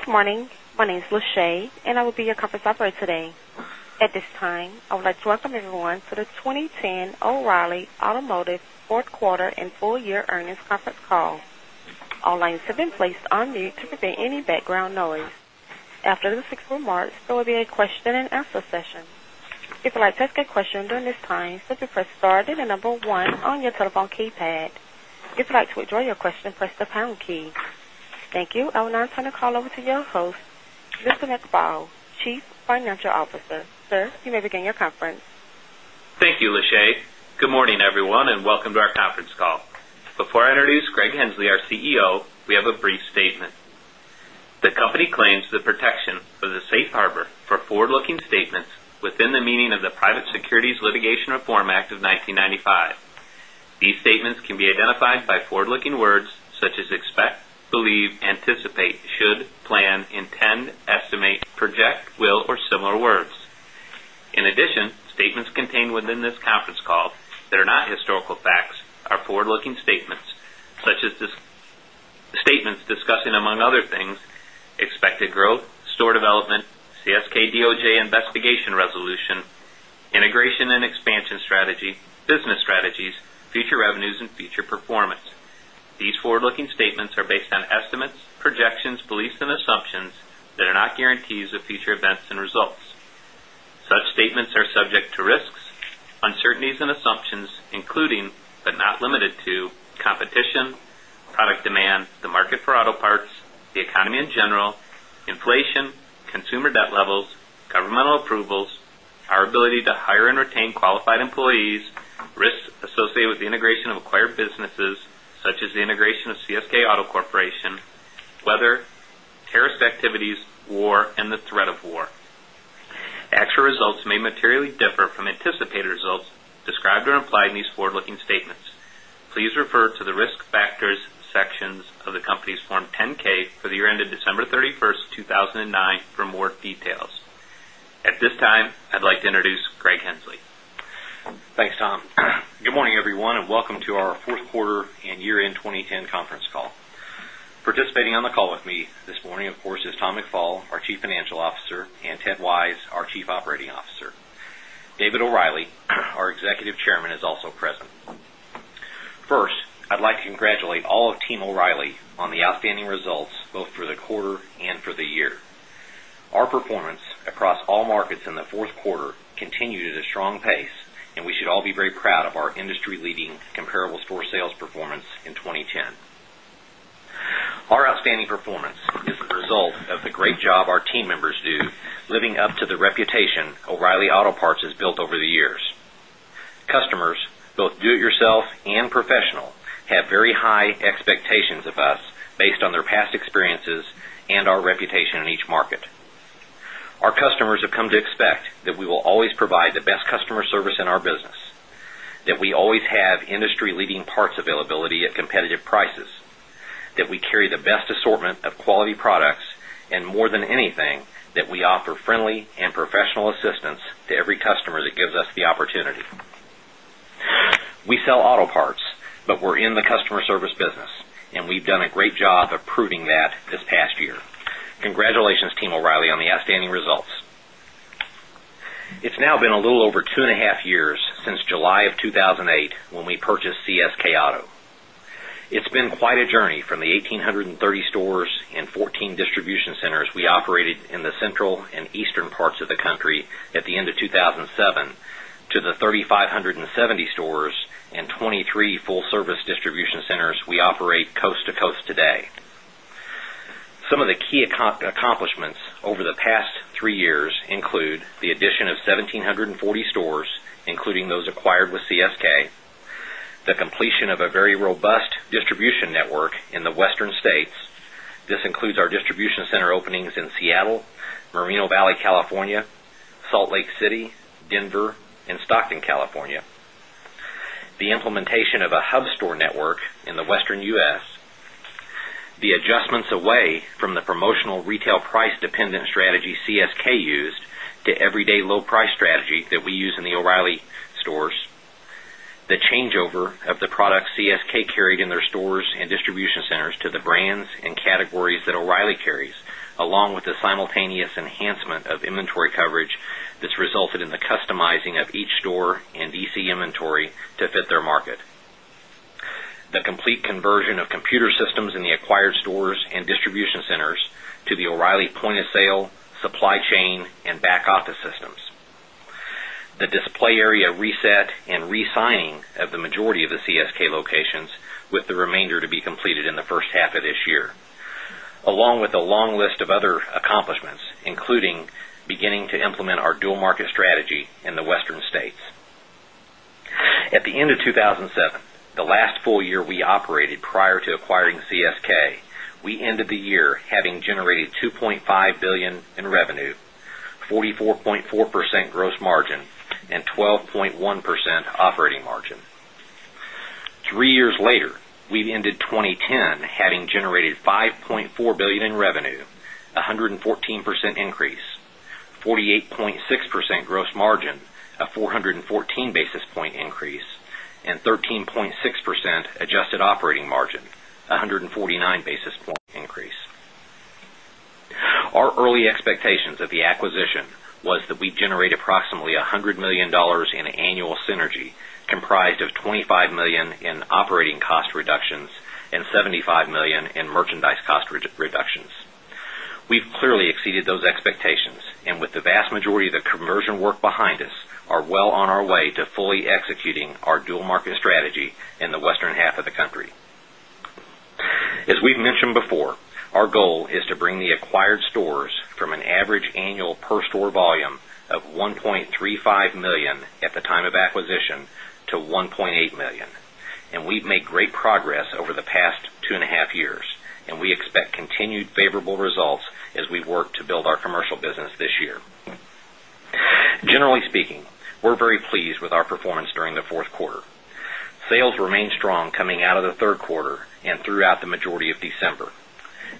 Good morning. My name is Lachey, and I will be your conference operator today. At this time, I would like to welcome everyone to the 2010 O'Reilly Automotive 4th Quarter and Full Year Earnings Conference Call. All lines have been placed on mute to prevent any background noise. After the remarks, there will be a question and answer session. Thank you. I will now turn the call over to your host, Mr. Nikhbao, Chief Financial Officer. Sir, you may begin your conference. Thank you, Lishae. Good morning, everyone, and welcome to our conference call. Before I introduce Greg Hensley, our CEO, we have a brief statement. The company claims the protection of the Safe Harbor for forward looking statements within the meaning of the Private Securities Litigation Reform Act of 1995. These statements can be identified by forward looking words such as expect, believe, anticipate, should, plan, intend, estimate, project, will or similar words. In addition, statements contained within this conference call that are not historical facts are forward looking statements, such as statements discussing, among other things, expected growth, store development, CSK DOJ investigation resolution, integration and expansion strategy, business strategies, future revenues and future performance. These forward looking statements are based on estimates, projections, beliefs and assumptions that are not guarantees of future events and results. Such statements are subject to risks, uncertainties and assumptions, including but not limited to competition, product demand, the market for auto parts, the economy in general, inflation, consumer debt levels, governmental approvals, our ability to hire and retain qualified employees, risks associated with the integration of acquired businesses such as the integration of CSK Auto Corporation, weather, terrorist activities, war and the threat of war. Actual results may materially differ from anticipated results described or implied in these forward looking statements. Please refer to the Risk Factors section of the company's Form 10 ks for the year ended December 31, 2009 for more details. At this time, I'd like to introduce Greg Hensley. Thanks, Tom. Good morning, everyone, and welcome to our Q4 year end 2010 conference call. Participating on the call with me this morning, of course, is Tom McFall, our Chief Financial Officer and Ted Wise, our Chief Operating Officer. David O'Reilly, our Executive Chairman is also present. First, I'd like to congratulate all of team O'Reilly on the outstanding results, both for the quarter and for the year. Our performance across all markets in the Q4 continued at a strong pace and we should all be very proud of our industry leading comparable store sales performance in 2010. Our outstanding performance is a result of the great job our team members do living up to the reputation O'Reilly Auto Parts has built over the years. Customers, both do it yourself and professional, have very high expectations of us based on their past experiences and our reputation in each market. Our customers have come to expect that we will always provide the best customer service in our business, that we always have industry leading parts availability at competitive prices, that we carry the best assortment of quality products and more than anything that we offer friendly and professional assistance to every customer that gives us the opportunity. We sell auto parts, but we're in the customer service business we've done a great job of pruning that this past year. Congratulations, team O'Reilly on the outstanding results. It's now been a little over 2.5 years since July of 2,008 when we purchased CSK Auto. It's been quite a journey from the 18 30 stores and 14 distribution centers we operated in the central and eastern parts of the country at the end of 2,007 to the 3,570 stores and 23 full service distribution centers we operate coast to coast today. Some of the key accomplishments over the past 3 years include the addition of 17 40 stores, including those acquired with CSK the completion of a very robust distribution network in the Western States. This includes our distribution center openings in Seattle, Moreno Valley, California, Salt Lake City, Denver and Stockton, California the implementation of a hub store network in the Western U. S. The adjustments away from the promotional retail price dependent strategy CSK used to everyday low price strategy that we use in the O'Reilly stores The changeover of the product CSK carried in their stores and distribution centers to the brands and categories that O'Reilly carries along with the simultaneous enhancement of inventory coverage that's resulted in the customizing of each store and DC inventory to fit their market. The complete conversion of computer systems in the acquired stores and distribution centers to the O'Reilly point of sale, supply chain and back office systems. The display area reset and re signing of the majority of the CSK locations with the remainder to be completed in the first half of this year, along with a long list of other accomplishments, including beginning to implement our dual market strategy in the Western states. At the end of 2,007, the last full year we operated prior to acquiring CSK, we ended the year having generated $2,500,000,000 in revenue, 44.4 percent gross margin and 12.1 percent operating margin. 3 years later, we've ended 2010 having generated $5,400,000,000 in revenue, a 114% increase, 48.6 percent gross margin, a 414 basis point increase and 13.6% adjusted operating margin, a 149 basis point increase. Our early expectations of the acquisition was that we generate approximately $100,000,000 in annual synergy comprised of $25,000,000 in operating cost reductions and $75,000,000 in merchandise cost reductions. We've clearly exceeded those expectations and with the vast majority of the conversion work behind us are well on our way to fully executing our dual market strategy in the western half of the country. As we've mentioned before, our goal is to bring the acquired stores from an average annual per store volume of 1,350,000 at the time of acquisition to 1,800,000 dollars and we've made great progress over the past 2.5 years and we expect continued favorable results as we work to build our commercial business this year. Generally speaking, we're very pleased with our performance during the Q4. Sales remained strong coming out of the Q3 and throughout the majority of December.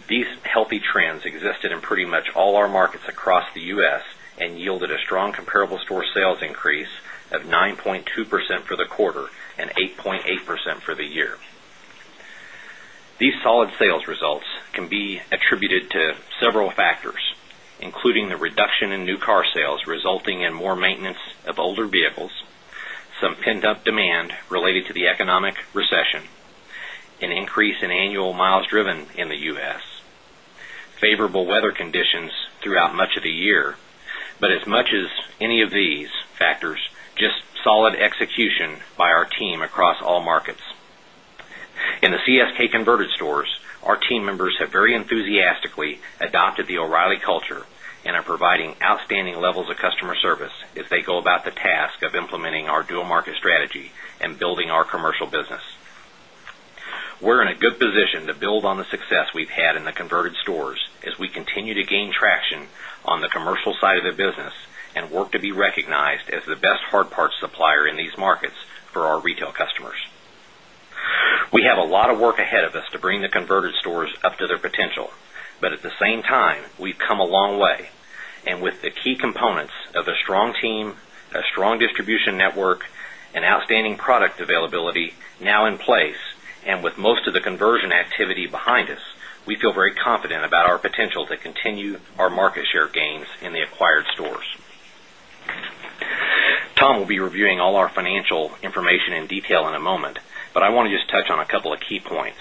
These healthy trends existed in pretty much all our markets across the U. S. And yielded a strong comparable store sales increase of 9.2% for the quarter and 8 point 8% for the year. These solid sales results can be attributed to several factors, including the reduction in new car sales resulting in more maintenance of older vehicles, some pent up demand related to the economic recession, an increase in annual miles driven in the U. S, favorable weather conditions throughout much of the year, but as much as any of these factors, just solid execution by our team across all markets. In the CSK converted stores, our team members have very enthusiastically adopted the O'Reilly culture and are providing outstanding levels of customer service as they go about the task of implementing our dual market strategy and building our commercial business. We're in a good position to build on the success we've had in the converted stores as we continue to gain traction on the commercial side of the business and work to be recognized as the best hard parts supplier in these markets for our retail customers. We have a lot of work ahead of us to bring the converted stores up to their potential, but at the same time, we've come a long way. And with the key components of a strong team, a strong distribution network and outstanding product availability now in place and with most of the conversion activity behind us, we feel very confident about our potential to continue our market share gains in the acquired stores. Tom will be reviewing all our financial information in detail in a moment, but I want to just touch on a couple of key points.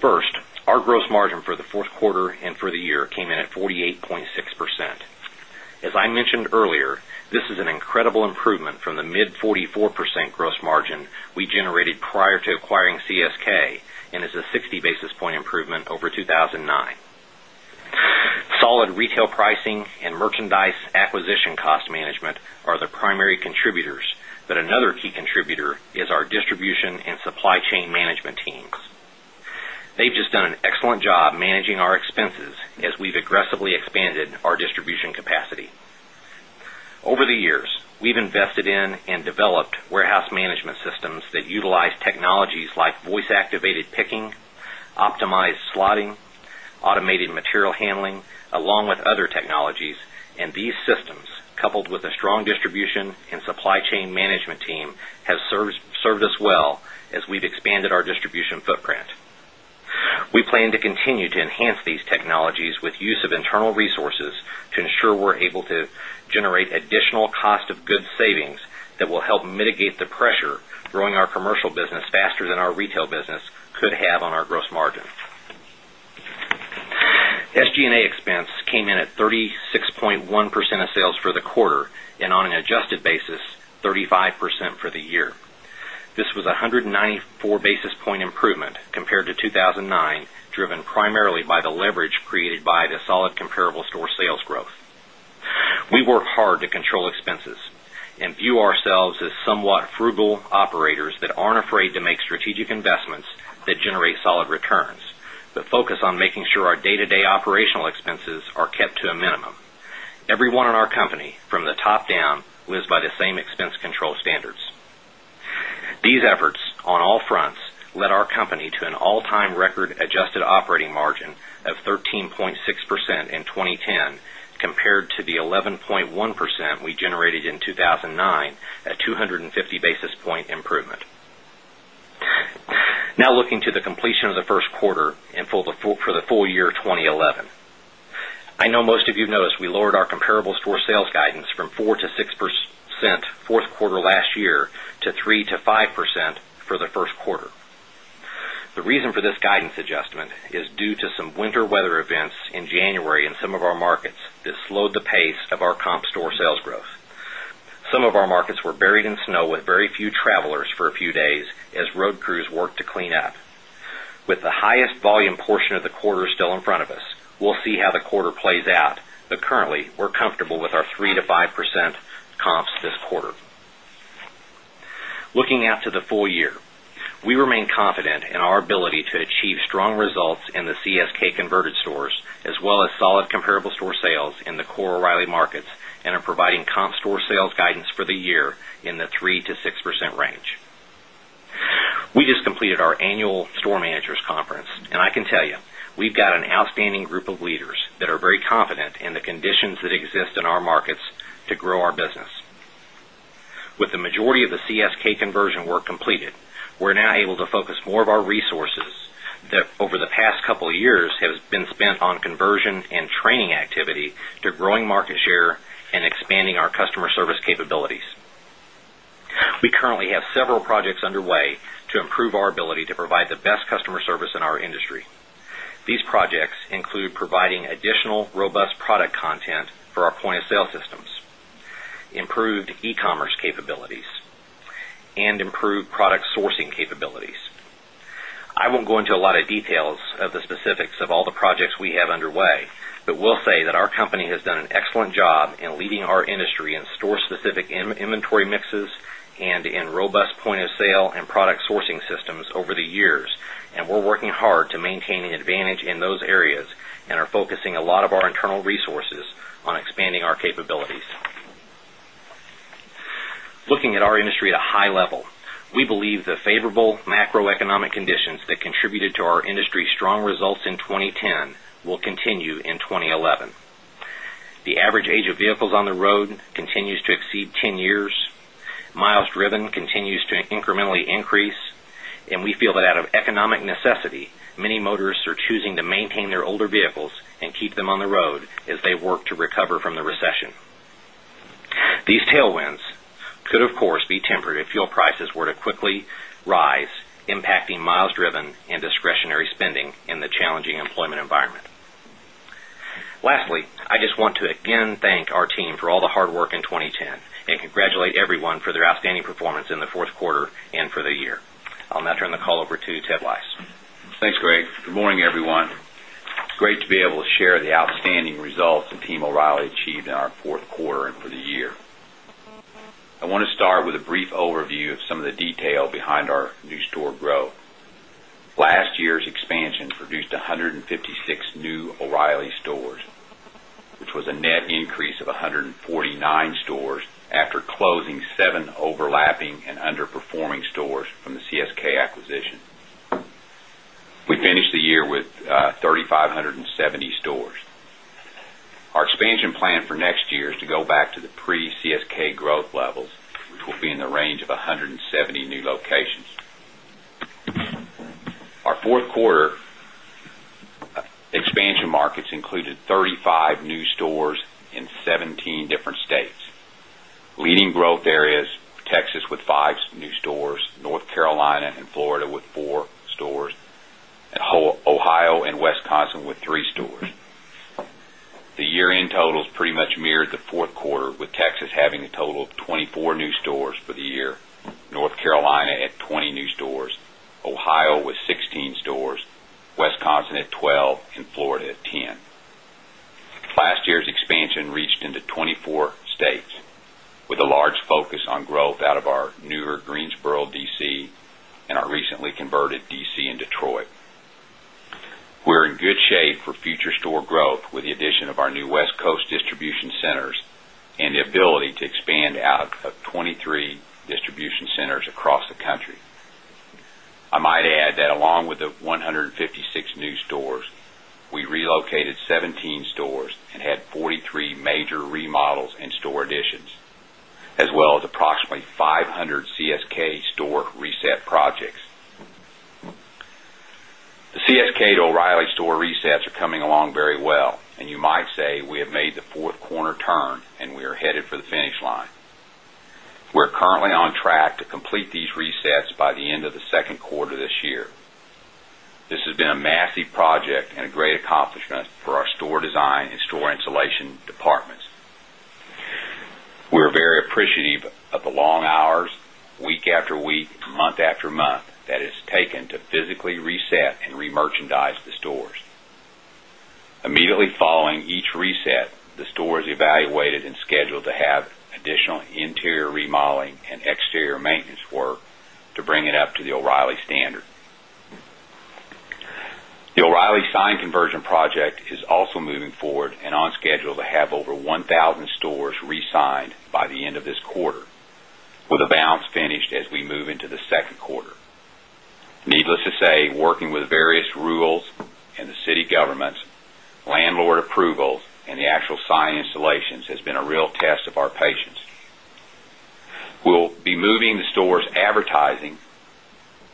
First, our gross margin for the Q4 and for the year came in at 48.6%. As I mentioned earlier, is an incredible improvement from the mid-forty 4 percent gross margin we generated prior to acquiring CSK and is a 60 basis point improvement over 2,009. Solid retail pricing and merchandise acquisition cost management are the primary contributors, but another key contributor is our distribution and supply chain management teams. They've just done an excellent job managing our expenses as we've aggressively expanded our distribution capacity. Over the years, we've invested in and developed warehouse management systems that utilize technologies like voice activated picking, optimized slotting, automated material handling, along with other technologies and these systems coupled with a strong distribution and supply chain management team has served us well as we've expanded our distribution footprint. We plan to continue to enhance these technologies with use of internal resources to ensure we're able to generate additional cost of goods savings that will help mitigate the pressure growing our commercial business faster than our retail business could have on our gross margin. SG and A expense came in at 36.1 percent of sales for the quarter and on an adjusted basis, 35% for the year. This was 194 basis point improvement compared to 2,009 driven primarily by the leverage created by the solid comparable store sales growth. We work hard to control expenses and view ourselves as somewhat frugal operators that aren't afraid to make strategic investments that generate solid returns, but focus on making sure our day to day operational expenses are kept to a minimum. Everyone in our company from the top down lives by the same expense control standards. These efforts on all fronts led our company to an all time record adjusted operating margin of 13.6% in 2010 compared to the 11.1% we generated in 2,009, a 2 50 basis point improvement. Now looking to the completion of the Q1 and for the full year 2011. I know most of you have noticed we lowered our comparable store sales guidance from 0.04 percent to 0.6 percent Q4 last year to 0.3% to 5% for the Q1. The reason for this guidance adjustment is due to some winter weather events in January in some of our markets that slowed the pace of our comp store sales growth. Some of our markets were buried in snow with very few travelers for a few days as road crews worked to clean up. With the highest volume portion of the quarter still in front of us, we'll see how the quarter plays out, but currently we're comfortable with our 3% to 5% comps this quarter. Looking out to the full year, we remain confident in our ability to achieve strong results in the CSK converted stores as well as solid comparable store sales in the core O'Reilly markets and are providing comp store sales guidance for the year in the 3% to 6% range. We just completed our annual store managers conference and I can tell you, have got an outstanding group of leaders that are very confident in the conditions that exist in our markets to grow our business. With the majority of the CSK conversion work completed, we are now able to focus more of our resources that over the past couple of years has been spent on conversion and training activity to growing market share and expanding our customer service capabilities. We currently have several projects underway to improve our ability to provide the best customer service in our industry. These projects include providing additional robust product content for our point of sale systems, improved e commerce capabilities and improved product sourcing capabilities. I won't go into a lot of details of the specifics of all the projects we have underway, but we'll say that our company has done an excellent job in leading our industry in store specific inventory mixes and in robust point of sale and product sourcing systems over the years, and we're working hard to maintain an advantage in those areas and are focusing a lot of our internal resources on expanding our capabilities. Looking at our industry at a high level, we believe the favorable macro economic conditions that contributed to our industry's strong results in 2010 will continue in 2011. The average age of vehicles on the road continues to exceed 10 years, miles driven continues to incrementally increase and we feel that out of economic necessity, many motorists are choosing to maintain their older vehicles and keep them on the road as they work to recover from the recession. These tailwinds could of course be temporary if fuel prices were to quickly rise impacting miles driven and discretionary spending in the challenging employment environment. Lastly, I just want to again thank our team for all the hard work in 2010 and congratulate everyone for their outstanding performance in the Q4 and for the year. I'll now turn the call over to Ted Lice. Thanks, Greg. Good morning, everyone. It's great to be able to share the outstanding results that team O'Reilly achieved in our Q4 and for the year. I want to start with a brief overview of some of the detail behind our new store growth. Last year's expansion produced 156 new O'Reilly stores, which was a net increase of 149 stores after closing 7 overlapping and underperforming stores from the CSK acquisition. We finished the year with 3,570 stores. Our expansion plan for next year is to go back to the pre CSK growth levels, which will be in the range of 170 new locations. Our Q4 expansion markets included 35 new stores in 17 different states. Leading growth areas, Texas with 5 new stores, North Carolina and Florida with 4 stores and Ohio and Wisconsin with 3 stores. The year end total is pretty much mirrored the 4th quarter with Texas having a total of 24 new stores for the year, North Carolina at 20 new stores, Ohio was 16 stores, Wisconsin at 12 and Florida at 10. Last year's expansion reached into 24 states with a large focus on growth out of our newer Greensboro DC and our recently converted DC in Detroit. We're in good shape for future store growth with the addition of our new West Coast distribution centers and the ability to expand out of 23 distribution centers across the country. I might add that along with the 156 new stores, we relocated 17 stores and had 43 major remodels and store additions, as well as approximately 500 CSK store reset projects. The CSK to O'Reilly store resets are coming along very well and you might say we have made the 4th corner turn and we are headed for the finish line. We are currently on track to complete these resets by the end of the Q2 this year. This has been a massive project and a great accomplishment for our store design and store installation departments. We're very appreciative of the long hours, week after week, month after month that is taken to physically reset and remerchandise the stores. Immediately following each reset, the store is evaluated and scheduled to have additional interior remodeling and exterior maintenance work to bring it up to the O'Reilly standard. The O'Reilly signed conversion project is also moving forward and on schedule to have over 1,000 stores re signed by the end of this quarter with a balance finished as we move into the 2nd quarter. Needless to say, working with various rules and the city governments, landlord approvals and the actual sign installations has been a real test of our patience. We'll be moving the stores advertising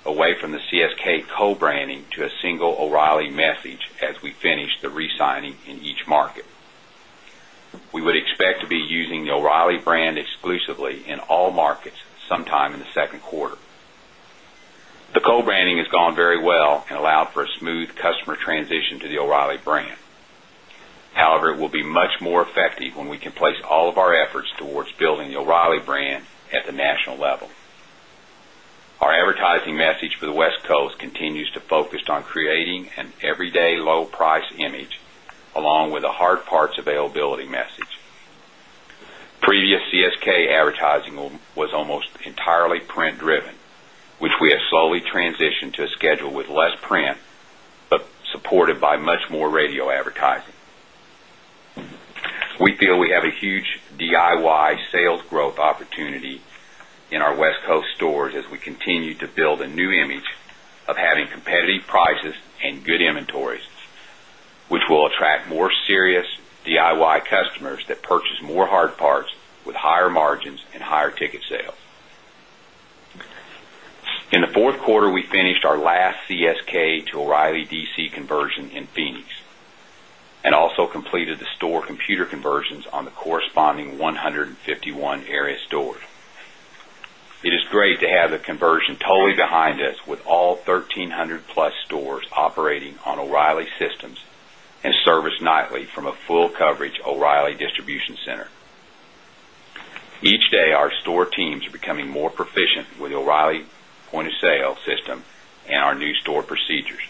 away from the CSK co branding to a single O'Reilly message as we finish the re signing in each market. We would expect to be using the O'Reilly brand exclusively in all markets sometime in the Q2. The co branding has gone very well and allowed for a smooth customer transition to the O'Reilly brand. However, it will be much more effective when we can place all of our efforts towards building the O'Reilly brand at the national level. Our advertising message for the West Coast continues to focus on creating an everyday low price image along with the hard parts availability message. Previous CSK advertising was almost entirely print driven, which we have slowly transitioned to a schedule with less print, but supported by much more radio advertising. We feel we have a huge DIY sales growth opportunity in our West Coast stores as we continue to build a new image of having competitive prices and good inventories, which will attract more serious DIY customers that purchase more hard parts with higher margins and higher ticket sales. In the Q4, we finished our last CSK to O'Reilly DC conversion in Phoenix and also completed the store computer conversions on the corresponding 151 area stores. It is great to have the conversion totally behind us with all 1300 plus stores operating on O'Reilly systems and service nightly from a full coverage O'Reilly distribution center. Each day, our store teams are becoming more proficient with O'Reilly point of sale system and our new store procedures.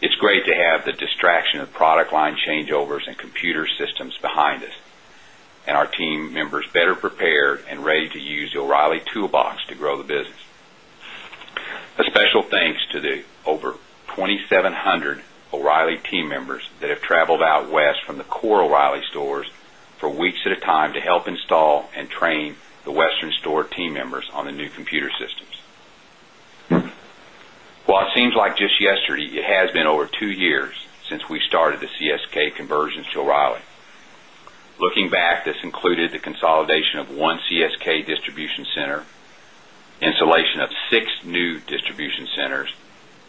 It's great to have the distraction of product line changeovers and computer systems behind us and our team members better prepared and ready to use the O'Reilly toolbox to grow the business. A special thanks to the over 2,700 O'Reilly team members that have traveled out west from the core O'Reilly stores for weeks at a time to help install and train the Western store team members on the new computer systems. While it seems like just yesterday, it has been over 2 years since we started the CSK conversions to O'Reilly. Looking back, this included the consolidation of 1 CSK distribution center, installation of 6 new distribution centers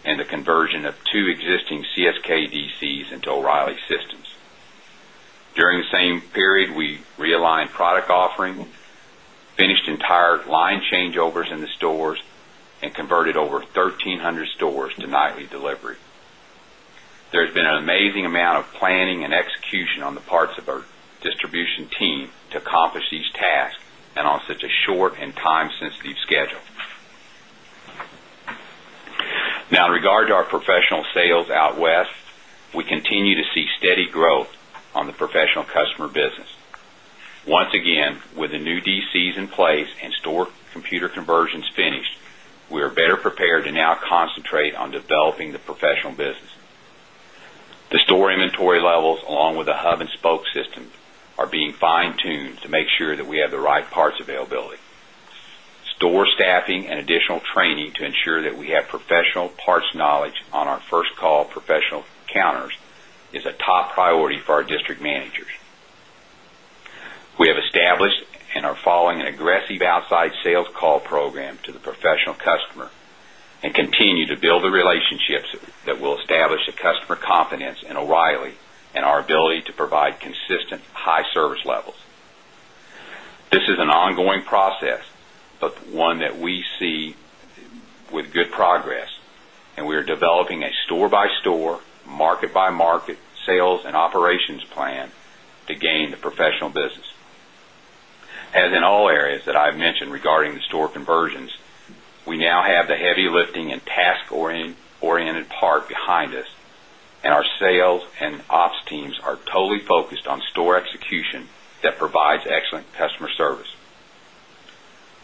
and the conversion of 2 existing CSK DCs into O'Reilly systems. During the same period, we realigned product offering, finished entire line changeovers in the stores and converted over 1300 stores to nightly delivery. There has been an amazing amount of planning and execution on the parts of our distribution team to accomplish these tasks and on such a short and time sensitive schedule. Now regard to our professional sales out west, we continue to see steady growth on the professional customer business. Once again, with the new DCs in place and store computer conversions finished, we are better prepared to now concentrate on developing the professional business. The store inventory levels along with the hub and spoke systems are being fine tuned to make sure that we have the right parts availability. Store staffing and additional training to ensure that we have professional parts knowledge on our first call professional counters is a top priority for our district managers. We have established and are following an aggressive outside sales call program to the professional customer and continue to build the relationships that will establish the customer confidence in O'Reilly and our ability to provide consistent high service levels. This is an ongoing process, but one that we see with good progress and we are developing a store by store, market by market sales and operations plan to gain the professional business. As in all areas that I've mentioned regarding the store conversions, we now have the heavy lifting and task oriented part behind us and our sales and ops teams are totally focused on store execution that provides excellent customer service.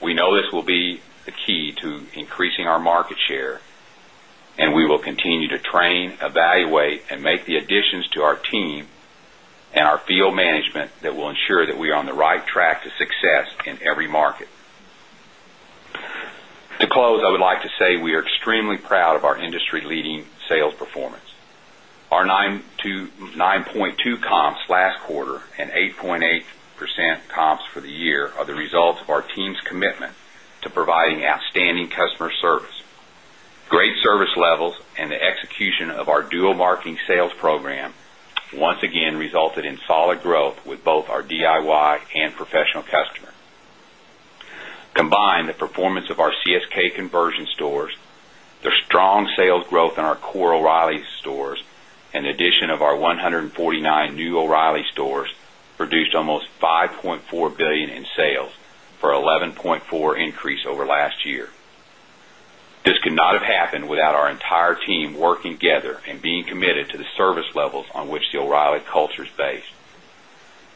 We know this will be the key to increasing our market share and we will continue to train, evaluate and make the additions to our team and our field management that will ensure that we are on the right track to success in every market. To close, I would like to say we are extremely proud of our industry leading sales performance. Our 9.2 comps last quarter and 8.8 percent comps for the year are the results of our team's commitment to providing outstanding customer service. Great service levels and the execution of our dual marketing sales program once again resulted in solid growth with both our DIY and professional customer. Combined the performance of our CSK conversion stores, the strong sales growth in our core O'Reilly stores and the addition of our 149 new O'Reilly stores produced almost $5,400,000,000 in sales for 11.4 increase over last year. This could not have happened without our entire team working together and being committed to the service levels on which the O'Reilly culture is based.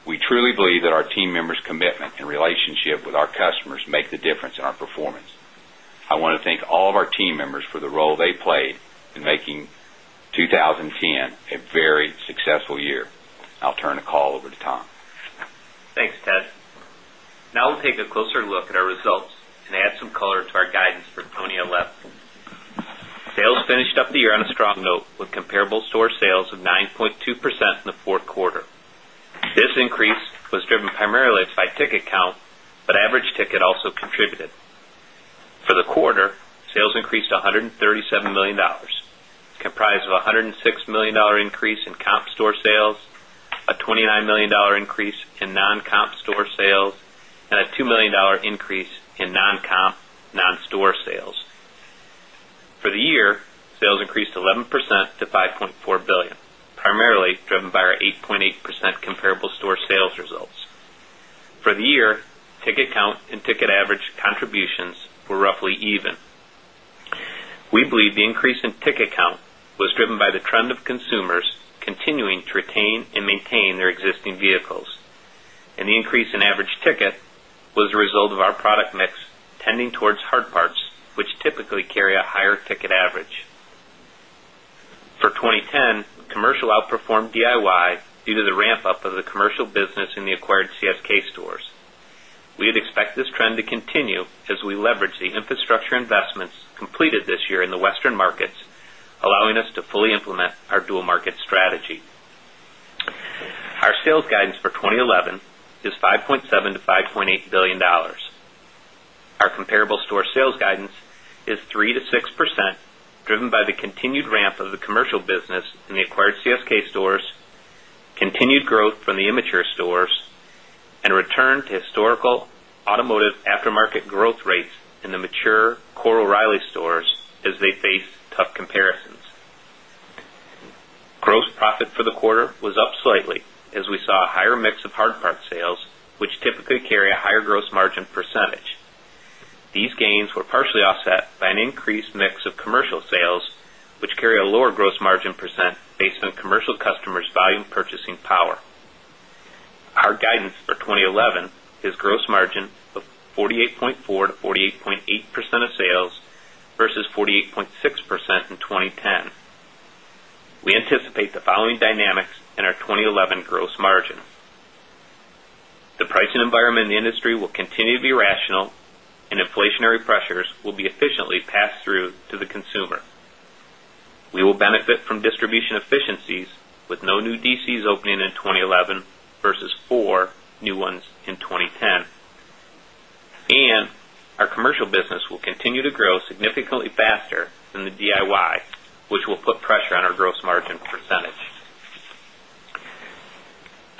We truly believe that our team members commitment and relationship with our customers make the difference in our performance. I want to thank all of our team members for the role they played in making 2010 a very successful year. I'll turn the call over to Tom. Thanks, Ted. Now we'll take a closer look at our results and add some color to our guidance for 20 11. Sales finished up the year on a strong note with comparable store sales of 9.2% in the 4th quarter. This increase was driven primarily by ticket count, but average ticket also contributed. For the quarter, sales increased $137,000,000 comprised of $106,000,000 increase in comp store sales, a $29,000,000 increase in non comp store sales and a $2,000,000 increase in non comp non store sales. For the year, sales increased 11% to $5,400,000,000 primarily driven by our 8.8% comparable store sales results. For the year, ticket count and ticket average contributions were roughly even. We believe the increase in ticket count was driven by the trend of consumers continuing to retain and maintain their existing vehicles. And the increase in average ticket was a result of our product mix tending towards hard parts, which typically carry a higher ticket average. For 2010, commercial outperformed DIY due to the ramp up of the commercial business in the acquired CSK stores. We would expect this trend to continue as we leverage the infrastructure investments completed this year in the Western markets, allowing us to fully implement our dual market strategy. Our sales guidance for 2011 is $5,700,000,000 to $5,800,000,000 Our comparable store sales guidance is 3% to 6%, driven by the continued ramp of the commercial business in the acquired CSK stores, continued growth from the immature stores stores, continued growth from the immature stores and return to historical automotive aftermarket growth rates in the mature core O'Reilly stores as they face tough comparisons. Gross profit for the quarter was up slightly as we saw a higher mix of hard part sales, which typically carry a higher gross margin percentage. These gains were partially offset by an increased mix of commercial sales, which carry a lower gross margin percent based on commercial customers' volume purchasing power. Our guidance for 2011 is gross margin of 48.4 percent to 48.8 percent of sales versus 48.6 percent in 2010. We anticipate the following dynamics in our 2011 gross margin. The pricing environment in the industry will continue to be rational and inflationary pressures will be efficiently passed through to the consumer. We will benefit from distribution efficiencies with no new DCs opening in 2011 versus 4 new ones in 2010. And our commercial business will continue to grow significantly faster than the DIY, which will put pressure on our gross margin percentage.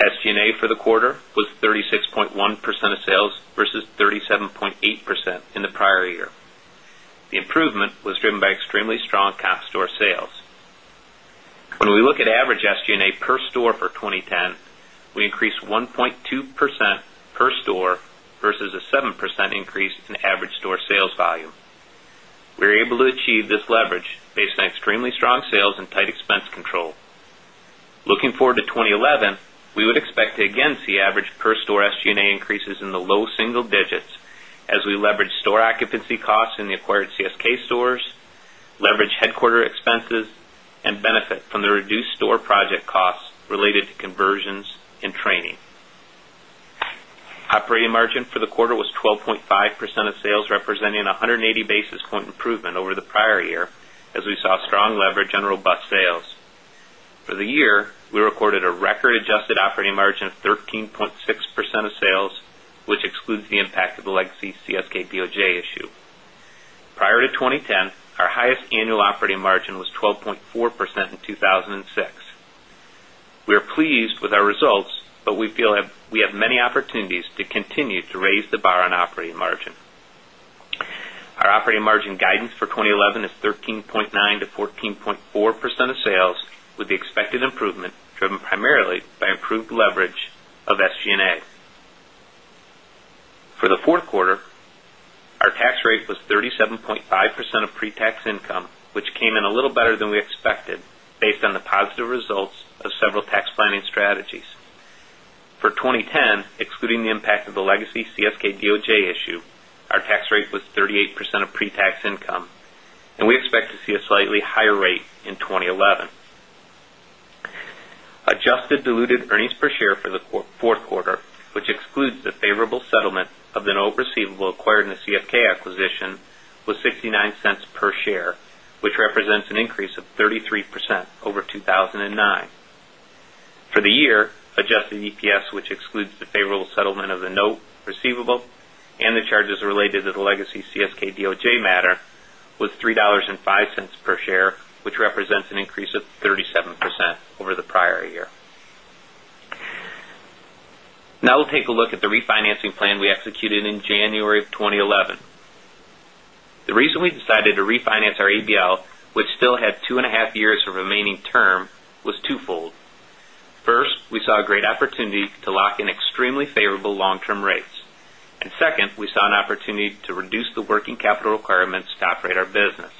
SG and A for the quarter was 36.1 percent of sales versus 37.8 percent in the prior year. The improvement was driven by extremely strong comp store sales. When we look at average SG and A per store for 20 10, we increased 1.2% per store versus a 7% increase in average store sales volume. We are able to achieve this leverage based on extremely strong sales and tight expense control. Looking forward to 2011, we would expect to again see average per store SG and A increases in the low single digits as we leverage store occupancy costs in the acquired CSK stores, leverage headquarter expenses and benefit from the reduced store project costs related to conversions and training. Operating margin for the quarter was 12.5% of sales representing 180 basis point improvement over the prior year as we saw strong leverage and robust sales. For the year, we recorded a record adjusted operating margin of 13.6 percent of sales, which excludes the impact of the legacy CSK POJ issue. Prior to 2010, our highest annual operating margin was 12.4% in 2,006. We are pleased with our results, but we feel we have many opportunities to continue to raise the bar on operating margin. Our operating margin guidance for 2011 is 13.9% to 14.4% of sales with the expected improvement driven primarily by improved leverage of SG and A. For the Q4, our tax rate was 37.5 percent of pre tax income, which came in a little better than we expected based on the positive results of several tax planning strategies. For 2010, excluding the impact of the legacy CSK DOJ issue, our tax rate was 38% of pre tax income and we expect to see a slightly higher rate in 2011. Adjusted diluted earnings per share for the Q4, which excludes the favorable settlement of the note receivable acquired in the CFK acquisition, was $0.69 per share, which represents an increase of 33% over 2,009. For the year, adjusted EPS, which excludes the favorable settlement of the note receivable and the charges related to the legacy CSK DOJ matter, was $3.05 per share, which represents an increase of 37% over the prior year. Now, we'll take a look at the refinancing plan we executed in January of 2011. The reason we decided to refinance our ABL, which still had 2.5 years of remaining term was twofold. 1st, we saw a great opportunity to lock in extremely favorable long term rates. And second, we saw an opportunity to reduce the working capital requirements to operate our business.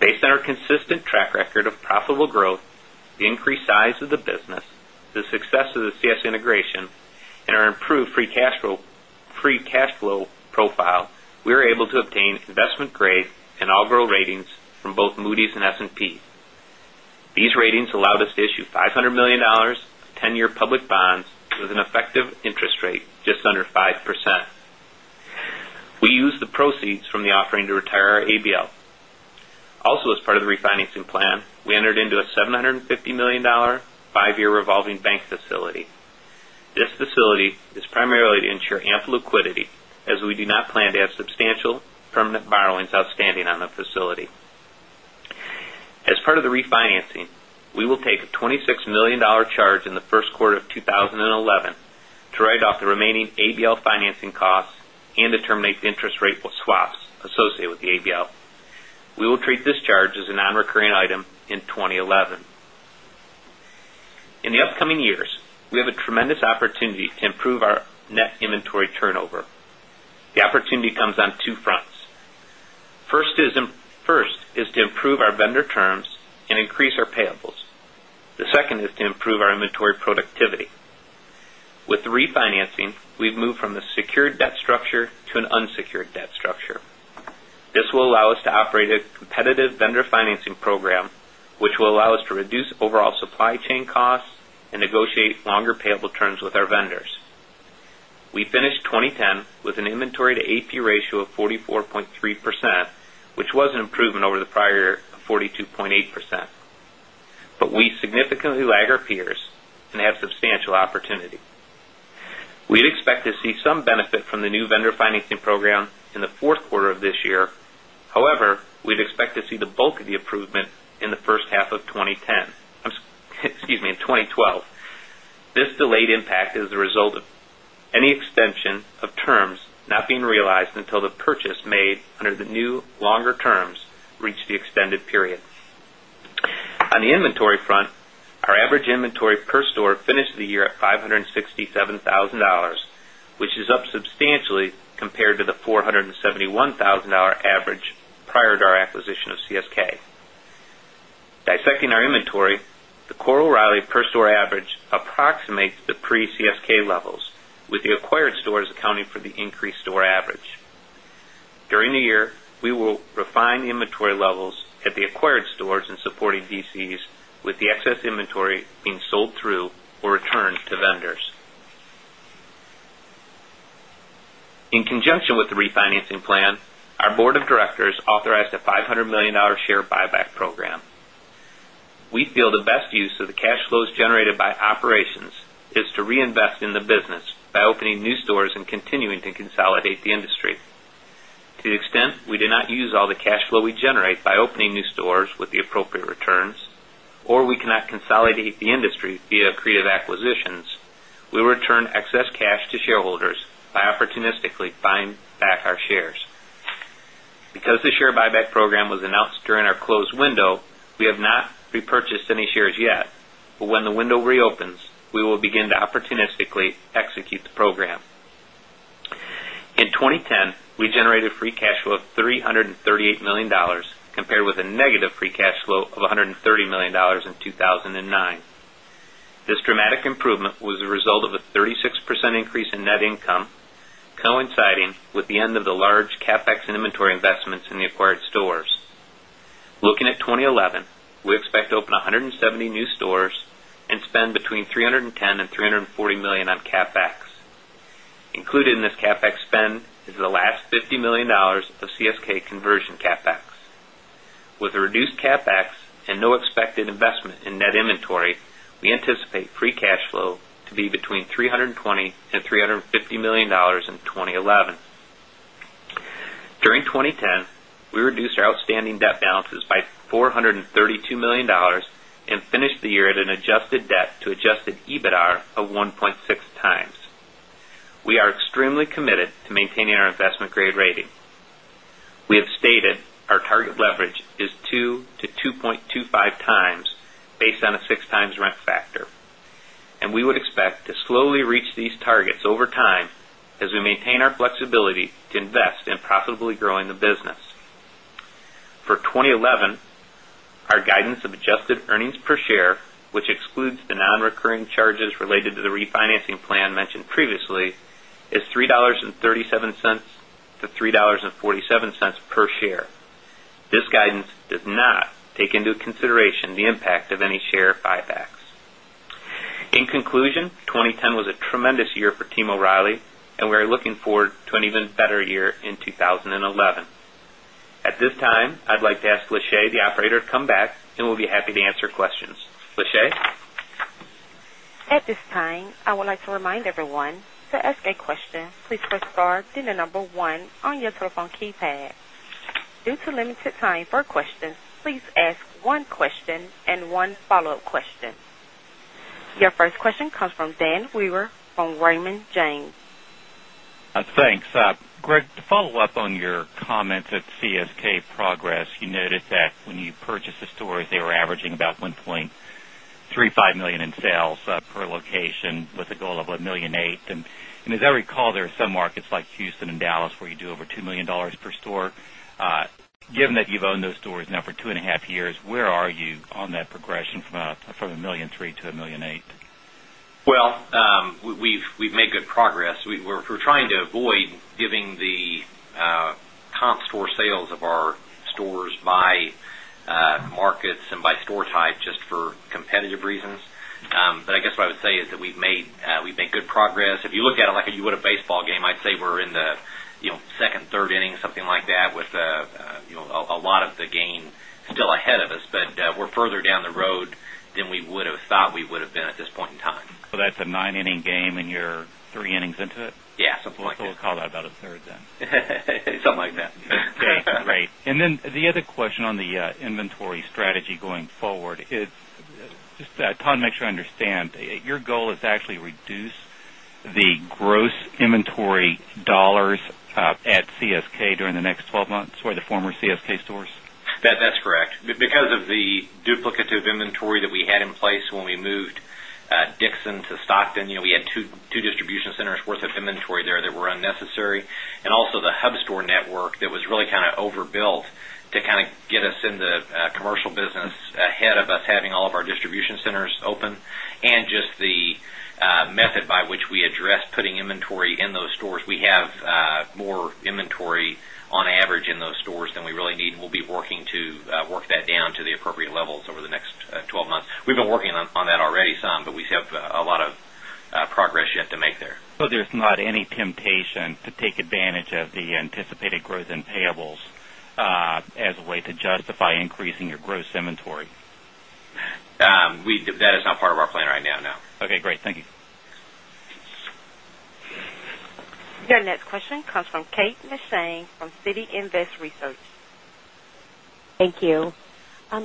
Based on our consistent track record of profitable growth, the increased size of the business, the success of the CS integration and our improved free cash flow profile, we were able to obtain investment grade and Algrow ratings from both Moody's and S and P. These ratings allowed us to issue $500,000,000 10 year public bonds with an effective interest rate just under 5%. We used the proceeds from the offering to retire our ABL. Also as part of the refinancing plan, we entered into a $750,000,000 5 year revolving bank facility. This facility is primarily to ensure ample liquidity as we do not plan to have substantial permanent borrowings outstanding on the facility. As part of the refinancing, we will take a $26,000,000 charge in the Q1 of 2011 to write off the remaining ABL financing costs and to terminate the interest rate swaps associated with the ABL. Will treat this charge as a non recurring item in 2011. In the upcoming years, we have a tremendous opportunity to improve our net inventory turnover. The opportunity comes on 2 fronts. First is to improve our vendor terms and increase our payables. The second is to improve our inventory productivity. With refinancing, we've moved from a secured debt structure to an unsecured debt structure. This will allow us to operate a competitive vendor financing program, which will allow us to reduce overall supply chain costs and negotiate longer payable terms with our vendors. We finished 2010 with an inventory to AP ratio of 44.3 percent, which was an improvement over the prior year of 42.8%. But we significantly lag our peers and have substantial opportunity. We'd expect to see some benefit from the new vendor financing program in the Q4 of this year. However, we'd expect to see the bulk of the improvement in the first half of twenty ten excuse me, in 2012. This delayed impact is the result of any extension of terms not being realized until the purchase made under the new longer terms reach the extended period. On the inventory front, our average inventory per store finished the year at 567,000 which is up substantially compared to the $471,000 average prior to our acquisition of CSK. Dissecting our inventory, the Coral O'Reilly per store average approximates the pre CSK levels with the acquired stores accounting for the increased store average. During the year, we will refine inventory levels at the acquired stores and supporting DCs with the excess inventory being sold through or returned to vendors. In conjunction with the refinancing plan, our Board of Directors authorized a $500,000,000 share buyback program. We feel the best use of the cash flows generated by operations is to reinvest in the business by opening new stores and continuing to consolidate the industry. To the extent we do not use all the cash flow we generate by opening new stores with the appropriate returns or we cannot consolidate the industry via accretive acquisitions, we will return excess cash to shareholders by opportunistically buying back our shares. Because the share buyback program was announced during our close window, we have not repurchased any shares yet. But when the window reopens, we will begin to opportunistically execute the program. In 2010, we generated free cash flow of $338,000,000 compared with a negative free cash flow of $130,000,000 in 2,009. This dramatic improvement was a result of a 36% increase in net income coinciding with the end of the large CapEx inventory investments in the acquired stores. Looking at 2011, we expect to open 170 new stores and spend between $310,000,000 $340,000,000 on CapEx. Included in this CapEx spend is the last $50,000,000 of CSK conversion CapEx. With the reduced CapEx and no expected investment in net inventory, we anticipate free cash flow to be between $320,000,000 $350,000,000 in 20.11. During 2010, we reduced our outstanding debt balances by $432,000,000 and finished the year at an adjusted debt to adjusted EBITDAR of 1.6 times. We are extremely committed to maintaining our investment grade rating. We have stated our target leverage is 2x to 2.25x based on a 6x rent factor. And we would expect to slowly reach these targets over time as we maintain our flexibility to invest in profitably growing the business. For 2011, our guidance of adjusted earnings per share, which excludes the non recurring charges related to the refinancing plan mentioned previously, is $3.37 to $3.47 per share. This guidance does not take into consideration the impact of any share buybacks. In conclusion, 2010 was a tremendous year for Tim O'Reilly and we are looking forward to an even better year in 2011. At this time, I'd like to ask Lashay, the operator to come back and we'll be happy to answer questions. Lashay? Your first question comes from Dan Weier from Raymond James. Thanks. Greg, to follow-up on your comments at CSK progress, you noted that when you purchased the stores, they were averaging about 1.35 $1,000,000 in sales per location with a goal of $1,800,000 And as I recall, there are some markets like Houston and Dallas where you do over $2,000,000 per store. Given that you've owned those stores now for 2.5 years, where are you on that progression from $1,300,000 to 1,800,000 dollars Well, we've made good progress. We're trying to avoid giving the comp store sales of our stores by markets and by store type just for competitive reasons. But I guess what I would say is that we've made good progress. If you look at it like you would a baseball game, I'd say we're in the second, third inning, something like that with a lot of the game still ahead of us. But we're further down the road than we would have thought we would have been at this point in time. So that's a 9 inning game and you're 3 innings into it? Yes, something like that. We'll call that about a third then. Something like that. Okay, great. And then the other question on the inventory strategy going forward is just to make sure I understand, your goal is actually reduce the gross inventory dollars at CSK during the next 12 months or the former CSK stores? That's correct. Because of the duplicate of inventory that we had in place when we moved Dixon to Stockton, we had 2 distribution centers worth of inventory there that were unnecessary. And also the hub store network that was really kind of overbuilt to kind of get us in the commercial business ahead of us having all of our distribution centers open and just the method by which we address putting inventory in those stores. We have more inventory on average in those stores than we really need. We'll be working to work that down to the appropriate levels over the next 12 months. We've been working on that already some, but we have a lot of progress yet to make there. So there's not any temptation to take advantage of the anticipated growth in payables as a way to justify increasing your gross inventory? We that is not part of our plan right now. Okay, great. Thank you. Your next question comes from Kate Mishan from Citi Invest Research. Thank you. You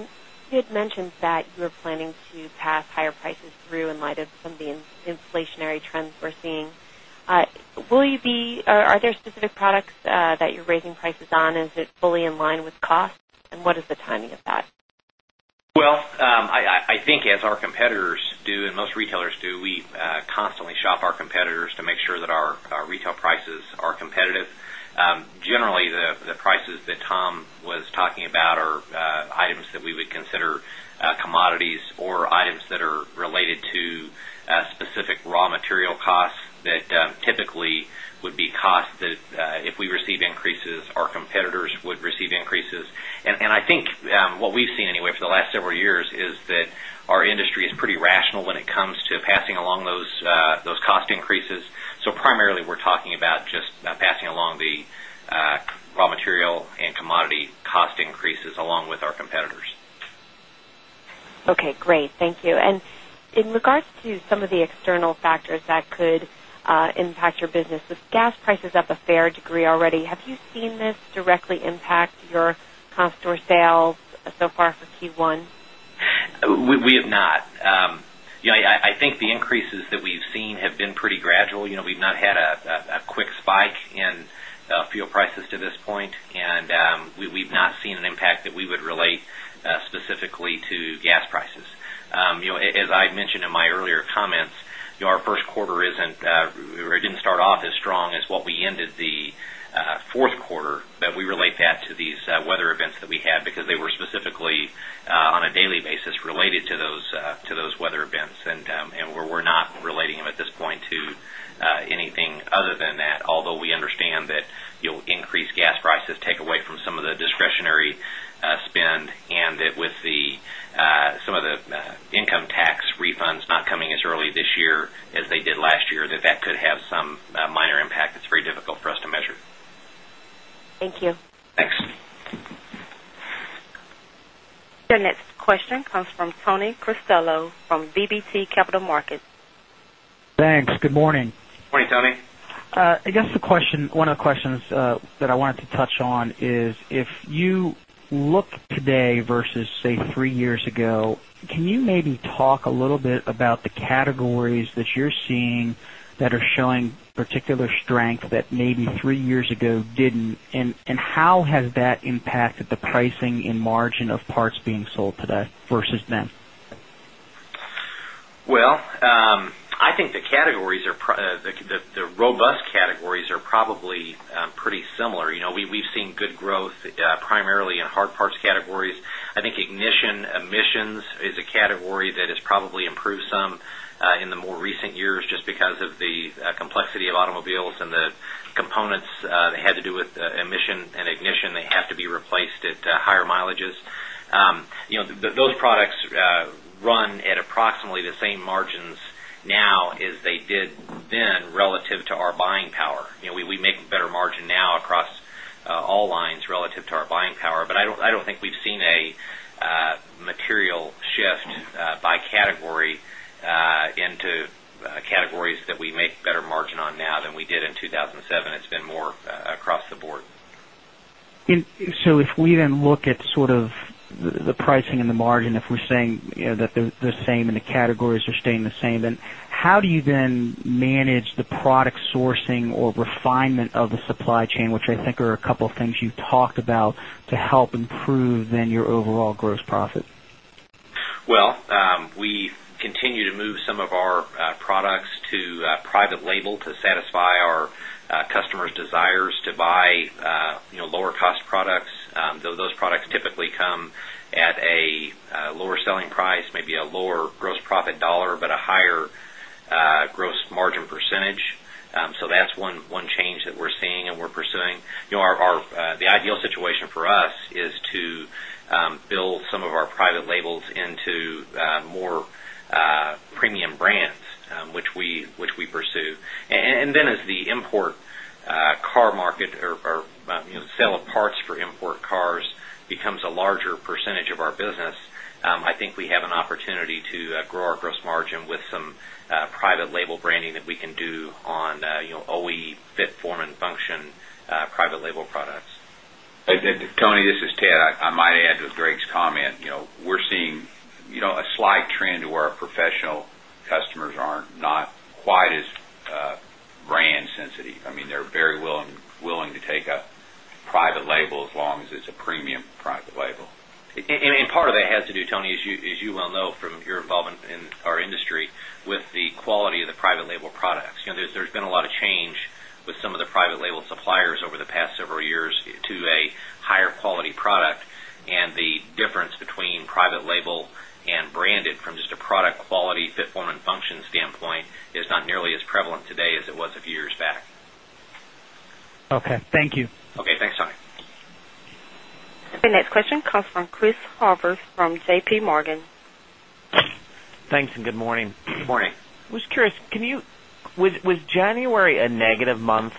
had mentioned that you're planning to pass higher prices through in light of some of the inflationary trends we're seeing. Will you be are there specific products that you're raising prices on? Is it fully in line with cost? And what is the timing of that? Well, I think as our competitors do and most retailers do, we constantly shop our competitors to make sure that our retail prices are competitive. Generally, the prices that Tom was talking about are items that we would consider commodities or items that are related to specific raw material costs that typically would be cost that if we receive increases, our competitors would receive increases. And I think what we've seen anyway for the last several years is that our industry is pretty rational when it comes to passing along those cost increases. So primarily, we're talking about just passing along the raw material and commodity cost increases along with our competitors. Okay, great. Thank you. And in regards to some of the external factors that could impact your business, the gas price is up a fair degree already. Have you seen this directly impact your comp store sales so far for Q1? We have not. I think the increases that we've seen have been pretty gradual. We've not had a quick spike in fuel prices to this point and we've not seen an impact that we would relate specifically to gas prices. As I mentioned in my earlier comments, our Q1 isn't it didn't start off as strong as what we ended the Q4 that we relate that to these weather events that we had because they were specifically on a daily basis related to those weather events and we're not relating them at this point to anything other than that. Although we understand that increase gas prices take away from some of the discretionary spend and that with the some of the income tax refunds not coming as early this year as they did last year that that could have some minor impact. It's very difficult for us to measure. Thank you. Impact. It's very difficult for us to measure. Thank you. Thanks. Your next question comes from Toni Cristello from VBT Capital Markets. Thanks. Good morning. Good morning, Toni. I guess the question one of the questions that I wanted to touch on is if you look today versus say 3 years ago, can you maybe talk a little bit about the categories that you're seeing that are showing particular strength that maybe 3 years ago didn't and how has that impacted the pricing in margin of parts being sold today versus then? Well, I think the categories are the robust categories are probably pretty similar. We've seen good growth primarily in hard parts categories. I think ignition emissions is a category that has probably improved some in the more recent years just because of the complexity of automobiles and the components that had to do with emission and ignition, they have to be replaced at higher mileages. Those products run at approximately the same margins now as they did then relative to our buying power. We make better margin now across all lines relative to our buying power, but I don't think we've seen a material shift by category into categories that we make better margin on now than we did in 2,007. It's been more across the board. So if we then look at sort of the pricing and the margin, if we're saying that they're the same and the categories are staying the same, then how do you then manage the product sourcing or refinement of the supply chain, which I think are a couple of things you've talked about to help improve then your overall gross profit? Well, we continue to move some of our products to private label to satisfy our customers' desires to buy lower cost products. Those products typically come at a lower selling price, maybe a lower gross profit dollar, but a higher gross margin percentage. So that's one change that we're seeing and we're pursuing. The ideal situation for us is to build some of our private labels into more premium brands, which we pursue. And then as the import car market or sell of parts for import cars becomes a larger percentage of our business, I think we have an opportunity to grow our gross margin with some private label branding that we can do on OE fit form and function private label products. Tony, this is Ted. I might add to Greg's comment, we're seeing a slight trend to our professional customers are not quite as brand sensitive. I mean, they're very willing to take a private label as long as it's a premium private label. And part of that has to do, Tony, as you well know from your involvement in our industry with the quality of the private label products. There's been a lot of change with some of the private label suppliers over the past several years to a higher quality product and the difference between private label and branded from just a product quality fit form and function standpoint is not nearly as prevalent today as it was a few years back. Okay. Thank you. Okay. Thanks, Tommy. The next question comes from Chris Harbors from JPMorgan. Thanks and good morning. Good morning. I was curious, can you was January a negative month?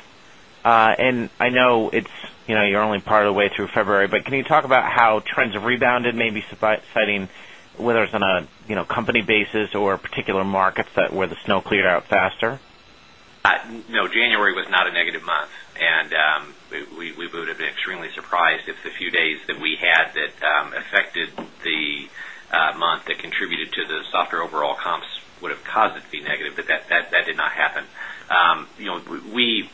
And I know it's you're only part of the way through February, but can you talk about how trends have rebounded maybe citing whether it's on a company basis or particular markets that where the snow cleared out faster? No, January was not a negative month. And we would have been extremely surprised if the few days that we had that affected the month that contributed to the softer overall comps would have caused it to be negative, but that did not happen. We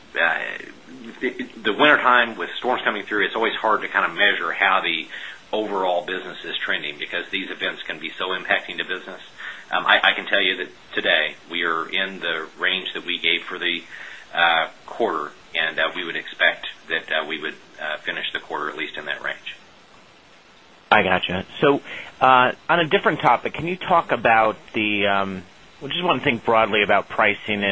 the winter time with storms coming through, it's always hard to kind of measure how the overall business is trending because these events can be so impacting the business. I can tell you that today we are in the range that we gave for the quarter and we would expect that we would finish the quarter at least in that range. I got you. So on a different topic, can you talk about the just one thing broadly about pricing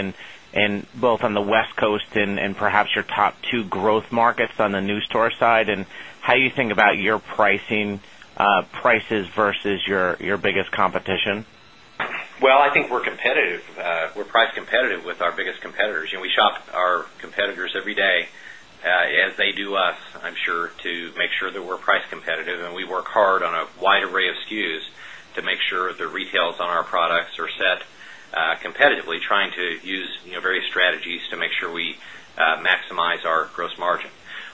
in both on the West Coast and perhaps your top 2 growth markets on the new store side and how you think about your pricing prices versus your biggest competition? Well, I think we're competitive. We're price competitive with our biggest competitors. We shop our competitors every day as they do us, I'm sure to make sure that we're price competitive and we work hard on a wide array of SKUs to make sure the retails on our products are set competitively trying to use various strategies to make sure we maximize our gross margin.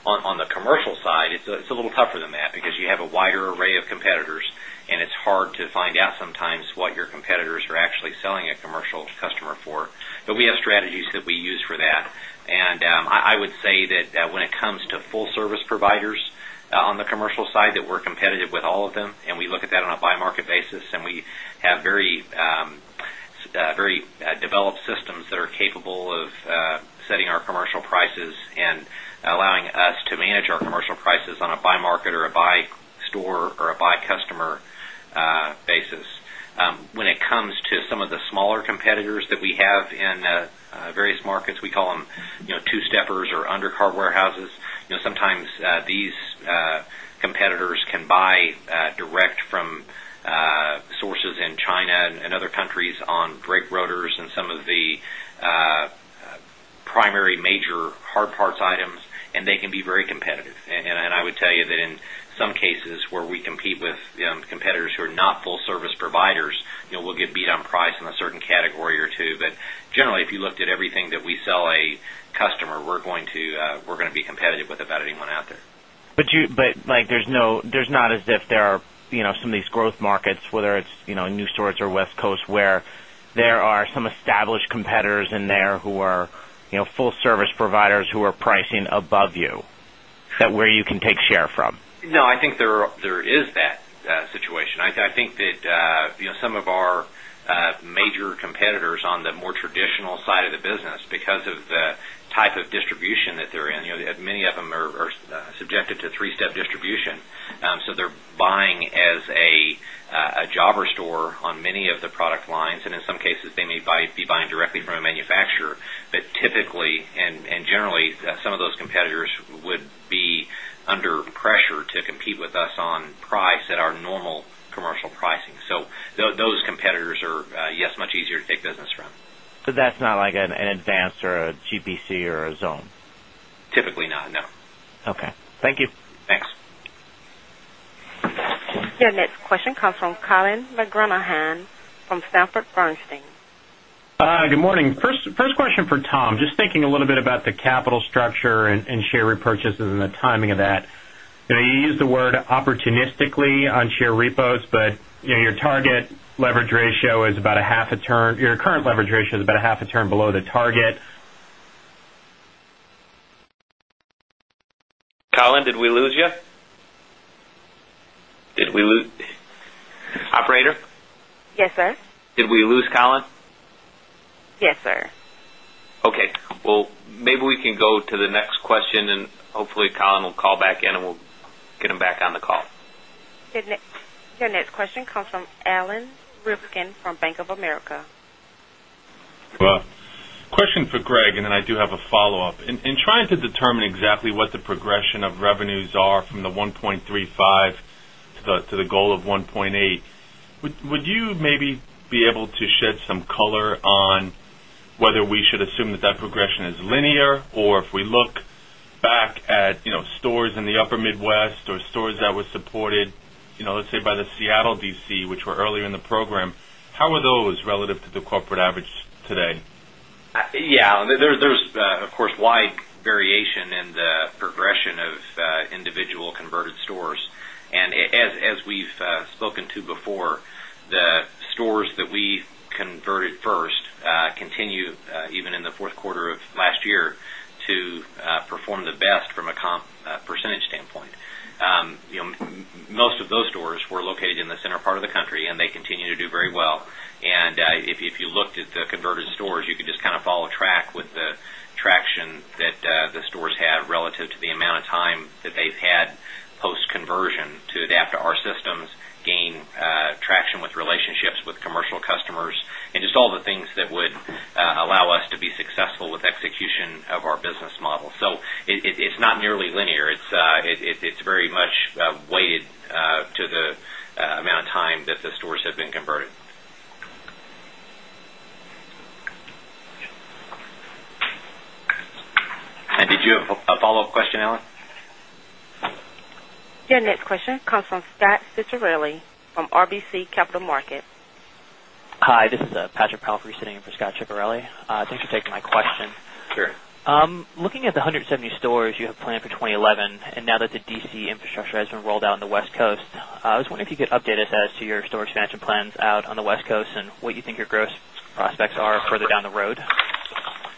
On the commercial side, it's a little tougher than that because you have a wider array of competitors and it's hard to find out sometimes what your competitors are actually selling a commercial customer for. But we have strategies that we use for that. And I would say that when it comes to full service providers on the commercial side that we're competitive with all of them and we look at that on a by market basis and we have very developed systems that are capable of setting our commercial prices and allowing us to manage our commercial prices on a by market or a by store or a by customer basis. When it comes to some of the smaller competitors that we have in various markets, we call them 2 steppers or undercar warehouses. Sometimes these competitors can buy direct from sources in China and other countries on brake rotors and some of the primary major hard parts items and they can be very competitive. And I would tell you that in some cases where we compete with competitors who are not full service providers, we'll get beat on price in a certain category or 2. But generally, if you looked at everything that we sell a customer, we're going to be competitive with about anyone out there. But Mike, there's no there's not as if there are some of these growth markets, whether it's new stores or West Coast, where there are some established competitors in there who are full service providers who are pricing major competitors on the more major competitors on the more traditional side of the business because of the type of distribution that they're in, many of them are subjected to 3 step distribution. So they're buying as a jobber store on many of the product lines and in some cases they may be buying directly from a manufacturer. But typically and generally some of those competitors would be under pressure to compete with us on price at our normal commercial pricing. So those competitors are, yes, much easier to take business from. So that's not like an advanced or a GPC or a zone? Typically not, no. Okay. Thank you. Thanks. Your next question comes from Colin McGranahan from Sanford Bernstein. Good morning. First question for Tom. Just thinking a little bit about the capital structure and share repurchases and the timing of that. You used the word opportunistically on share repos, but your target leverage ratio is about a half a turn your current leverage ratio is about a half a turn below the target. Collyn, did we lose you? Did we lose operator? Yes, sir. Did we lose Collyn? Yes, sir. Okay. Well, maybe we can go to the next question and hopefully Collyn will call back in and we'll get him back on the call. Your next question comes from Alan Ryvkin from Bank of America. Question for Greg and then I do have a follow-up. In trying to determine exactly what the progression of revenues are from the 1.35 to the goal of 1.8, would you maybe be able to shed some color on whether we should assume that that progression is linear or if we look back at stores in the upper Midwest or stores that were supported, let's say, by the Seattle DC, which were earlier in the program, how are those relative to the corporate average today? Yes. There's of course wide variation in the Yes. There is of course wide variation in the progression of individual converted stores. And as we've spoken to before, the stores that we converted first continue even in the Q4 of last year to perform the best from a comp percentage standpoint. Most of those stores were located in the center part of the country and they continue to do very well. And if you looked at the converted stores, you could just kind of follow track with the execution of our business model. So it's not nearly linear, but it's not with execution of our business model. So it's not nearly linear. It's very much weighted to the amount of time that the stores have been converted. And did you have a follow-up question, Alan? Your next question comes from Scott Ciccarelli from RBC Capital Markets. Hi. This is Patrick Palfrey sitting in for Scot Ciccarelli. Thanks for taking my question. Looking at the 170 stores you have planned for 2011 and now that the DC infrastructure has been rolled out in the West Coast, I was wondering if you could update us as to your store expansion plans out on the West Coast and what you think your gross prospects are further down the road?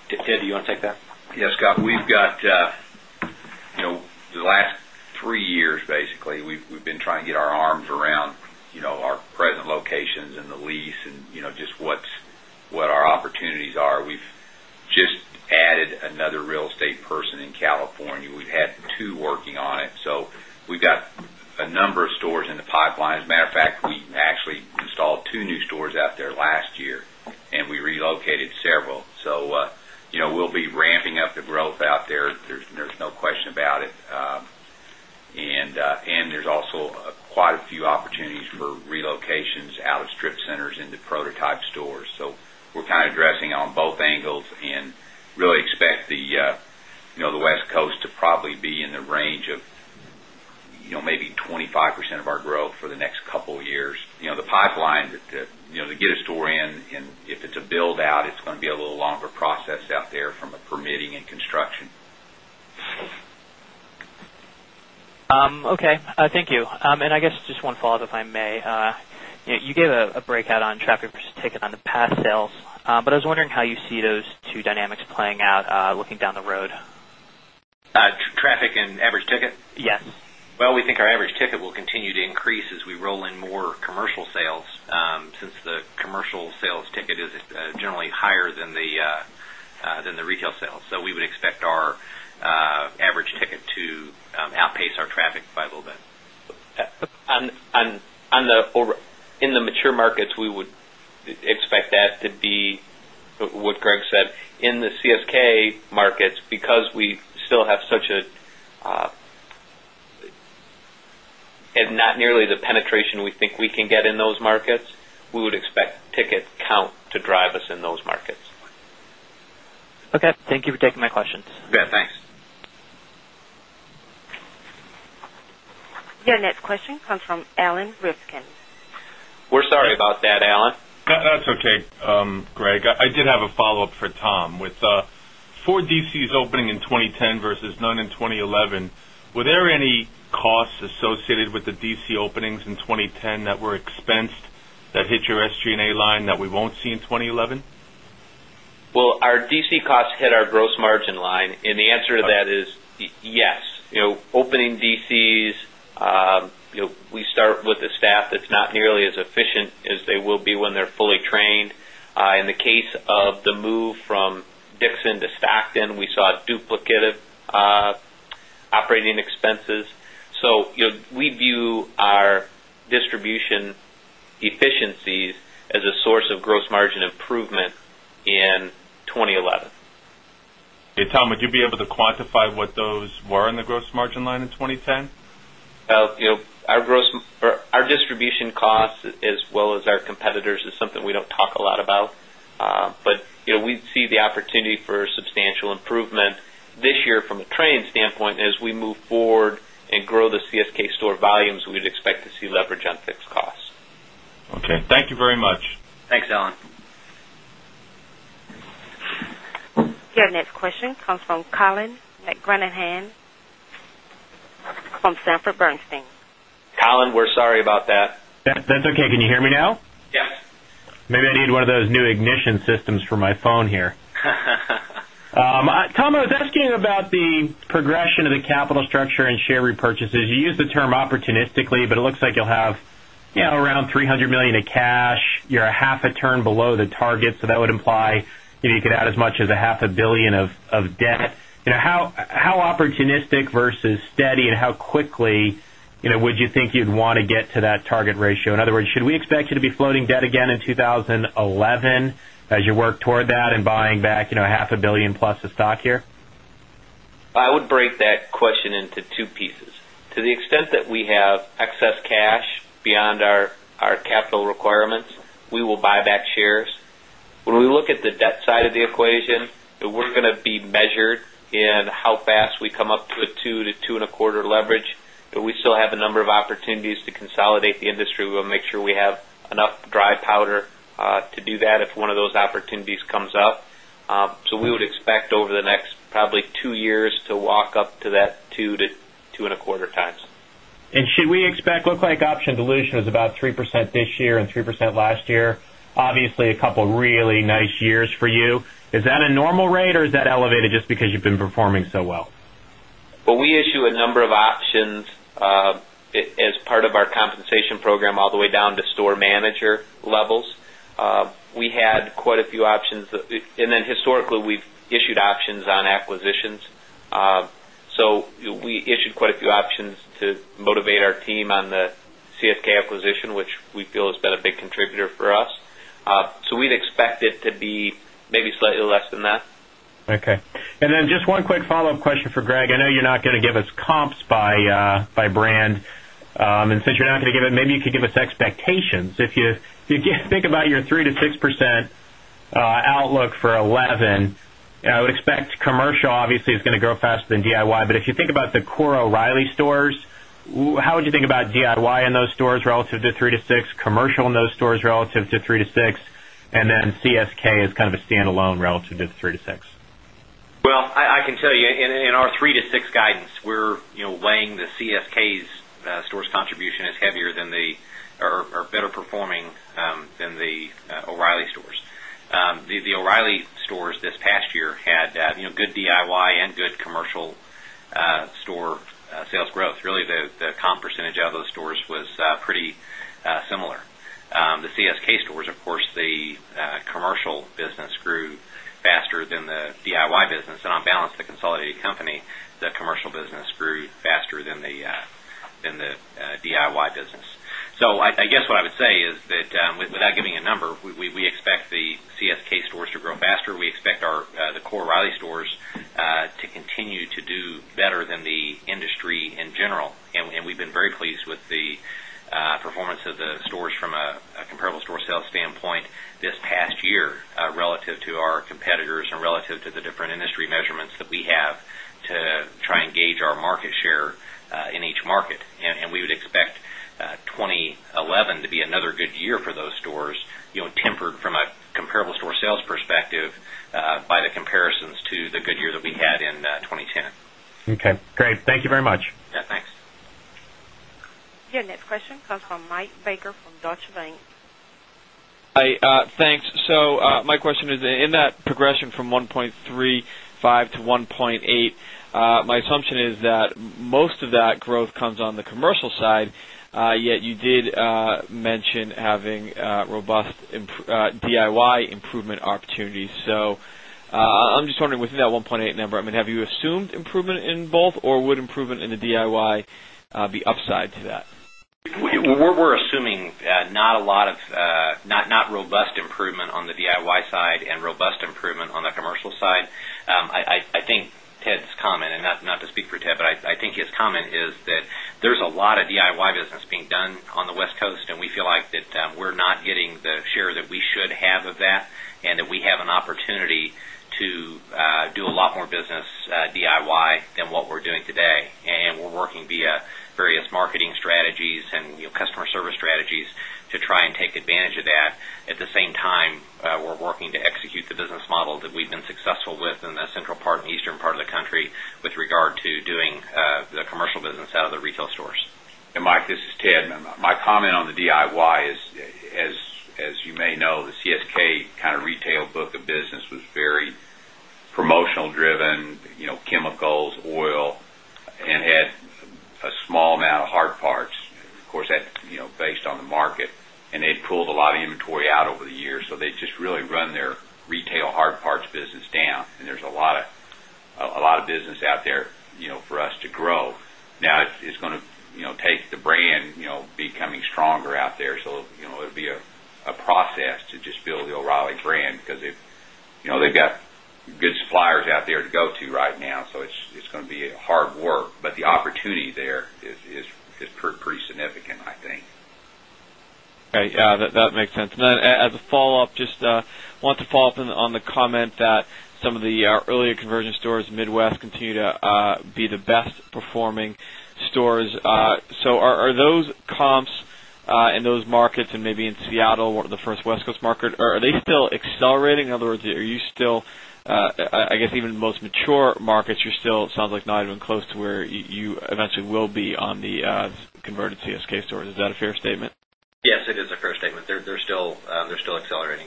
Ted, do you want to take that? Yes, Scott. We've got the last 3 years basically, we've been trying to get our arms around our present locations and the lease and just what our opportunities are. We've just added another real estate person in California. We've had 2 working on it. So we've got a number of stores in the pipeline. As a matter of fact, we actually installed 2 new stores out there last year and we relocated several. So we'll be ramping up the growth out there. There's no question about it. And there's also quite a few opportunities for relocations out of strip centers into prototype stores. So we're kind of addressing on both angles and really expect the West Coast to probably be in the range of maybe 25% of our growth for the next couple of years. The pipeline to get a store in and if it's a build out, it's going to be a little longer process out there from a permitting and construction. Okay. Thank you. And I guess just one follow-up if I may. You gave a breakout on traffic versus ticket on the past sales, but I was wondering how you see those two dynamics playing out looking down the road? Traffic and average ticket? Yes. Well, we think our average ticket will continue to increase as we roll in more commercial sales since the commercial sales ticket is generally higher than the retail sales. So we would expect our average ticket to outpace our traffic by a little bit. In the mature markets, we would expect that to be what Okay. Thank you for taking my questions. You bet. Thanks. Your next question comes from Alan Rifkin. We're sorry about that, Alan. That's okay, Greg. I did have a follow-up for Tom. With 4 DCs opening in 2010 versus none in 2011, were there any costs associated with the DC openings in 2010 that were expensed that hit your SG and A line that we won't see in 20 11? Expensed that hit your SG and A line that we won't see in 2011? Well, our DC costs hit our gross margin line. And the answer to that is yes. Opening DCs, we start with the staff that's nearly as efficient as they will be when they're fully trained. In the case of the move from Dixon to Stockton, we saw duplicative operating expenses. So we view our distribution efficiencies as a source of gross margin improvement in 2011. Hey, Tom, would you be able to quantify what those were in the gross margin line in 20 10? Our gross our distribution costs as well as our competitors is something we don't talk a lot about. But we see the opportunity for substantial improvement this year from a training standpoint as we move forward and grow the CSK store volumes, we would expect to see leverage on fixed costs. Okay. Thank you very much. Thanks, Alan. Your next question comes from Colin McGranahan from Sanford Bernstein. Colin, we're sorry about that. That's okay. Can you hear me now? Yes. Maybe I need one of those new ignition systems for my phone here. Tom, I was asking about the progression of the capital structure and share repurchases. You used the term opportunistically, but it looks like you'll have around $300,000,000 of cash. You're a half a turn below the target. So that would imply you could add as much as a $500,000,000 of debt. How opportunistic versus steady and how quickly would you think you'd want to get to that target ratio? In other words, should we expect you to be floating debt again in 2011 as you work toward that and buying back $500,000,000 plus of stock here? I would break that question into 2 pieces. To the extent that we have excess cash beyond our capital requirements, we will buy back shares. When we look at the debt side of the equation, we're going to be measured in how fast we come up to a 2 to 2.25 leverage, but we still have a number of opportunities to consolidate the industry. We'll make sure we have enough dry powder to do that if one of those opportunities comes up. So we would expect over the next probably 2 years to walk up to that 2 to 2.25 times. And should we expect look like option dilution was about 3% this year and 3% last year, obviously a couple of really nice years for you. Is that a normal rate or is that elevated just because you've been performing so well? Well, we issue a number of options as part of our compensation program all the way down to store manager levels. We had quite a few options. Then historically, we've issued options on acquisitions. So we issued quite a few options to motivate our team on the CSK acquisition, which we feel has been a big contributor for us. So we'd expect it to be maybe slightly less than that. Okay. And then just one quick follow-up question for Greg. I know you're not going to give us comps by brand. And since you're not going to give it, maybe you could give us expectations. If you think about your 3% to 6% outlook for 11%, I would expect commercial obviously is going to grow faster than DIY. But if you think about the core O'Reilly stores, how would you think about DIY in those stores relative to 3% to 6%, commercial in those stores relative to 3% to 6% and then CSK is kind of standalone relative to 3% to 6%. Well, I can tell you in our 3% to 6% guidance, we're weighing the CSK's stores contribution is heavier than the or better performing than the O'Reilly stores. The O'Reilly stores this past year had good DIY and good commercial store sales growth. Really the comp percentage of those stores was pretty similar. The CSK stores, of course, the commercial business grew faster than the DIY business. And on balance, the consolidated company, the commercial business grew faster than the DIY business. So, I guess what I would say is that without giving a number, we expect the CSK stores to grow faster. We expect our the core O'Reilly stores to continue to do better than the industry in general. And we've been very pleased with the performance of the stores from a comparable store sales standpoint this past year relative to our competitors and relative to the different industry measurements that we have to try and gauge our market share in each market and we would expect 2011 to be another good year for those stores tempered from a comparable store sales perspective by the comparisons to the good year that we had in 2010. Okay, great. Thank you very much. Yes, thanks. Your next question comes from Mike Baker from Deutsche Bank. Hi, thanks. So my question is in that progression from 1.35 to 1.8, my assumption is that most of that growth comes on the commercial side, yet you did mention having my assumption is that most of that growth comes on the commercial side, yet you did mention having robust DIY improvement opportunities. So I'm just wondering with that 1.8 number, I mean, have you assumed improvement in both or would improvement in the DIY be upside to that? We're assuming not a lot of not robust improvement on the DIY side and robust improvement on the commercial side. I think Ted's comment and not to speak for Ted, but I think his comment is that there's a lot of DIY business being done on the West Coast and we feel like that we're not getting the share that we should have of that and that we have an opportunity to do a lot more business DIY than what we're doing today. And we're working via various marketing strategies and customer service strategies to try and take advantage of that. At the same time, we're working to execute the business model that we've been successful with in the central part and eastern part of the country with regard to doing the commercial business out of the retail stores. This is Ted. My comment on the DIY is, as you may know, the CSK kind of retail hard parts business down and there's a lot of business out there for us to grow. Now it's going to take the brand becoming stronger out there, so it would be a process to just build the O'Reilly brand because they've got good suppliers out there to go to right now. So it's going to be hard work, but the opportunity there is pretty significant, I think. Okay. That makes sense. And then as a follow-up, just want to follow-up on the comment that some of the earlier conversion stores Midwest continue to be the best performing stores. So are those comps in those markets and maybe in Seattle, the 1st West Coast market, are they still accelerating? In other words, are you still, I guess, even in most mature markets, you're still it sounds like not even close to where you eventually will be on the converted CSK stores. Is that a fair statement? Yes, it is a fair statement. They're still accelerating.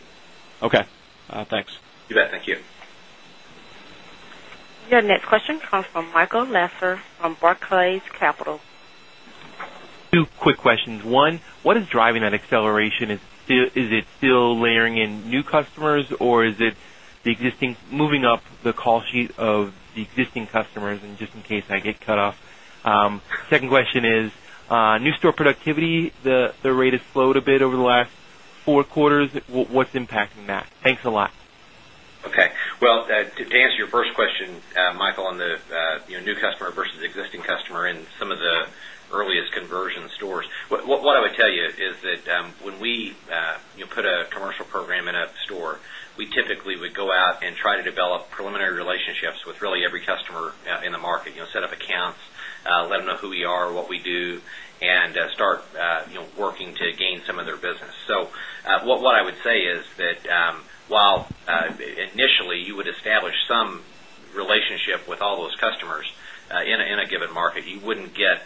Your next question comes from Michael Lasser from Barclays Capital. Two quick questions. 1, what is driving that acceleration? Is it still layering in new customers? Or is it existing moving up the call sheet of the existing customers and just in case I get cut off? 2nd question is new store productivity, the rate has slowed a bit over the last 4 quarters, what's impacting that? Thanks a lot. Okay. Well, to answer your first question, Michael, on the new customer versus existing customer in some of the earliest conversion stores, what I would tell you is that when we put a commercial program in a store, typically would go out and try to develop preliminary relationships with really every customer in the market, set up accounts, let them know who we are, what we do and start working to gain some of their business. So what I would say is that while initially you would establish some relationship with all those customers in a given market, you wouldn't get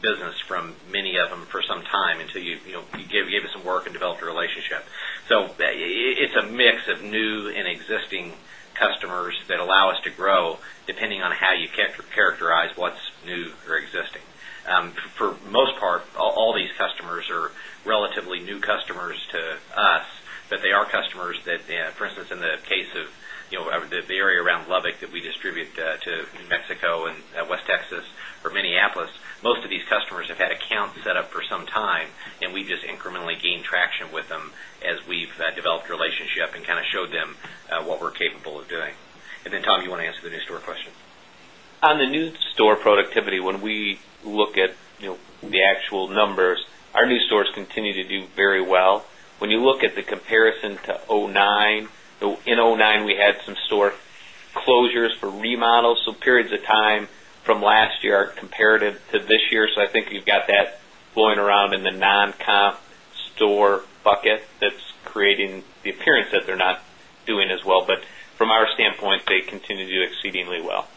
business from many of them for some time until you give us some work and develop a relationship. So it's a mix of new and existing customers that allow us to grow depending on how you characterize what's new or existing. For most part, all these customers are relatively new customers to us, but they are customers that, for instance, in the case of the area around Lubbock that we distribute to Mexico and West Texas or Minneapolis, most of these customers have had accounts set up for some time and we just incrementally gain traction with them as we've developed relationship and kind of showed them what we're capable of doing. And then, Tom, you want to answer the new store question? On the new store productivity, when we look at the actual numbers, our new stores continue to do very well. When you look at the comparison to 'nine, in 'nine we had some store closures for remodels. So periods of time from last year are comparative to this year. So I think you've got that flowing around in the non comp store bucket that's creating the appearance that they're not doing as well. But from our standpoint, they continue to do exceedingly well.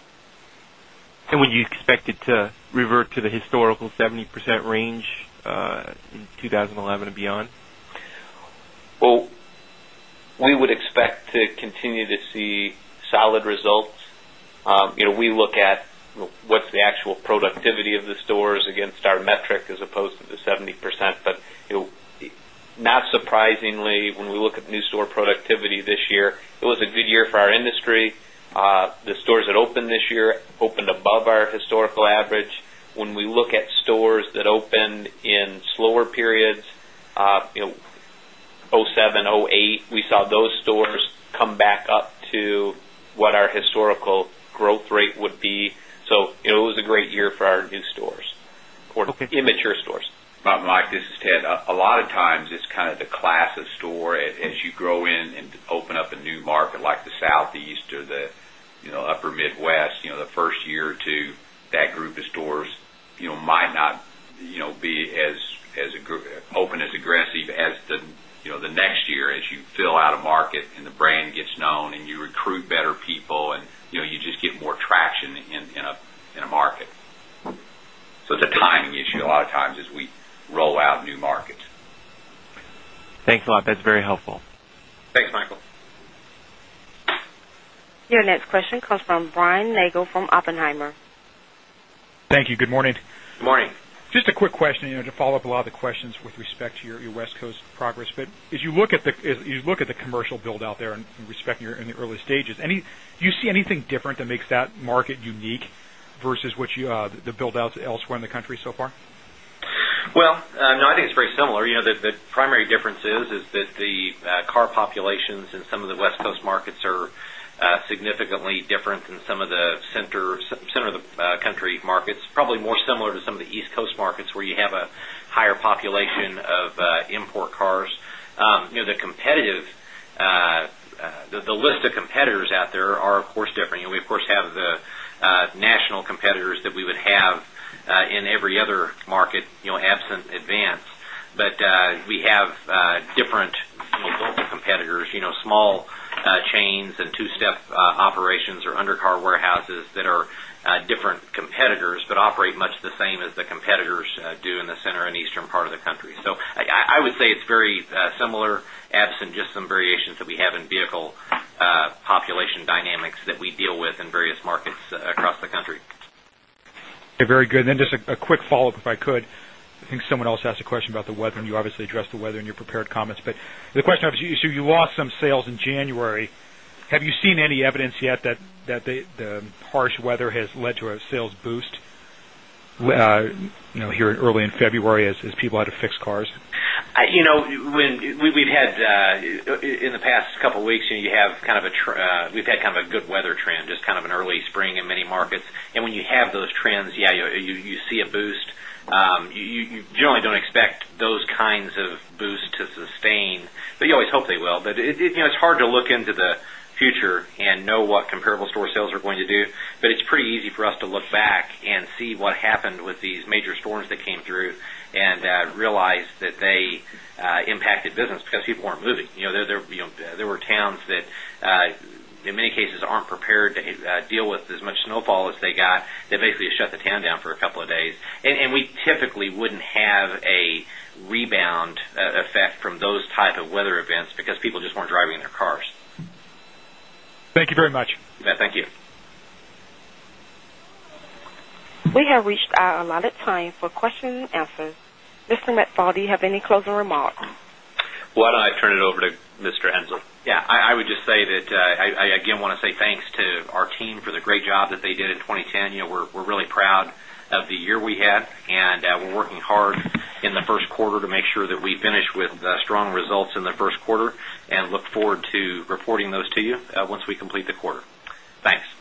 And would you expect it to revert to the historical 70% range in 2011 and beyond? Well, we would expect to continue to see solid results. We look at what's the actual productivity of the stores against our metric as opposed to the 70%. But not surprisingly, when we look at new store productivity this year, it was a good year for our industry. The stores that opened this year opened above our historical average. When we look at stores that opened in slower periods, 'seven, 'eight, we saw those stores come back up to what our historical growth rate would be. So it was a great year for our new stores or immature stores. Mike, this is Ted. A lot of times it's kind of the class of store as you grow in and open up a new market like the Southeast or the Upper Midwest, the 1st year or 2, that group of stores might not be as open as aggressive as the next year as you fill out a market and the brand gets known and you recruit better people and you just get more traction in a market. So it's a timing issue a lot of times as we roll out new markets. Thanks a lot. That's very helpful. Thanks, Michael. Your next question comes from Brian Nagel from Oppenheimer. Thank you. Good morning. Good morning. Just a quick question to follow-up a lot of the questions with respect to your West Coast progress. But as you look at the commercial build out there and respecting you're in the early stages, do you see anything different that makes that market unique versus what you the build outs elsewhere in the country so far? Well, no, I think it's very similar. The primary difference is that the car populations in some of the West Coast markets are significantly different than some of the center of the country markets, probably more similar to some of the East Coast markets where you have a higher population of import cars. The competitive the list of competitors out there are of course different. We of course have the national competitors that we would have in every other market absent advance. But we have different competitors, small chain and 2 step operations or undercar warehouses that are different competitors, but operate much the same as the competitors do in the center and eastern part of the country. So I would say it's very similar absent just some variations that we have in vehicle population dynamics that we deal with in various markets across the country. Very good. And then just a quick follow-up if I could. I think someone else asked a question about the weather and you obviously addressed the weather in your prepared comments. But the question obviously, so you lost some sales in January. Have you seen any evidence yet that the harsh weather has led to a sales boost here early in February as people had to fix cars? When we've had in the past couple of weeks, you have kind of a we've had kind of a good weather trend just kind of an early spring in many markets. And when you have those trends, yes, you see a boost. You generally don't expect those kinds of boost to sustain, but you always hope they will. But it's hard to look into the future and know what comparable store sales are going to do, but it's pretty easy for us to look back and see what happened with these major storms that came through and realize that they impacted business because people aren't moving. There were towns that in many cases aren't prepared to deal with as much snowfall as they got. They basically shut the town down for a couple of days. And we typically wouldn't have a rebound effect from those type of weather events because people just weren't driving their cars. Thank you very much. Thank you. We have reached our allotted time for question and answer. Mr. Metzalf, do you have any closing remarks? Well, I turn it over to Mr. Hensel. Yes, I would just say that I again want to say thanks to our team for the great job that did in 2010. We're really proud of the year we had and we're working hard in the Q1 to make sure that we finish with strong results in the Q1 and look forward to reporting those to you once we complete the quarter. Thanks.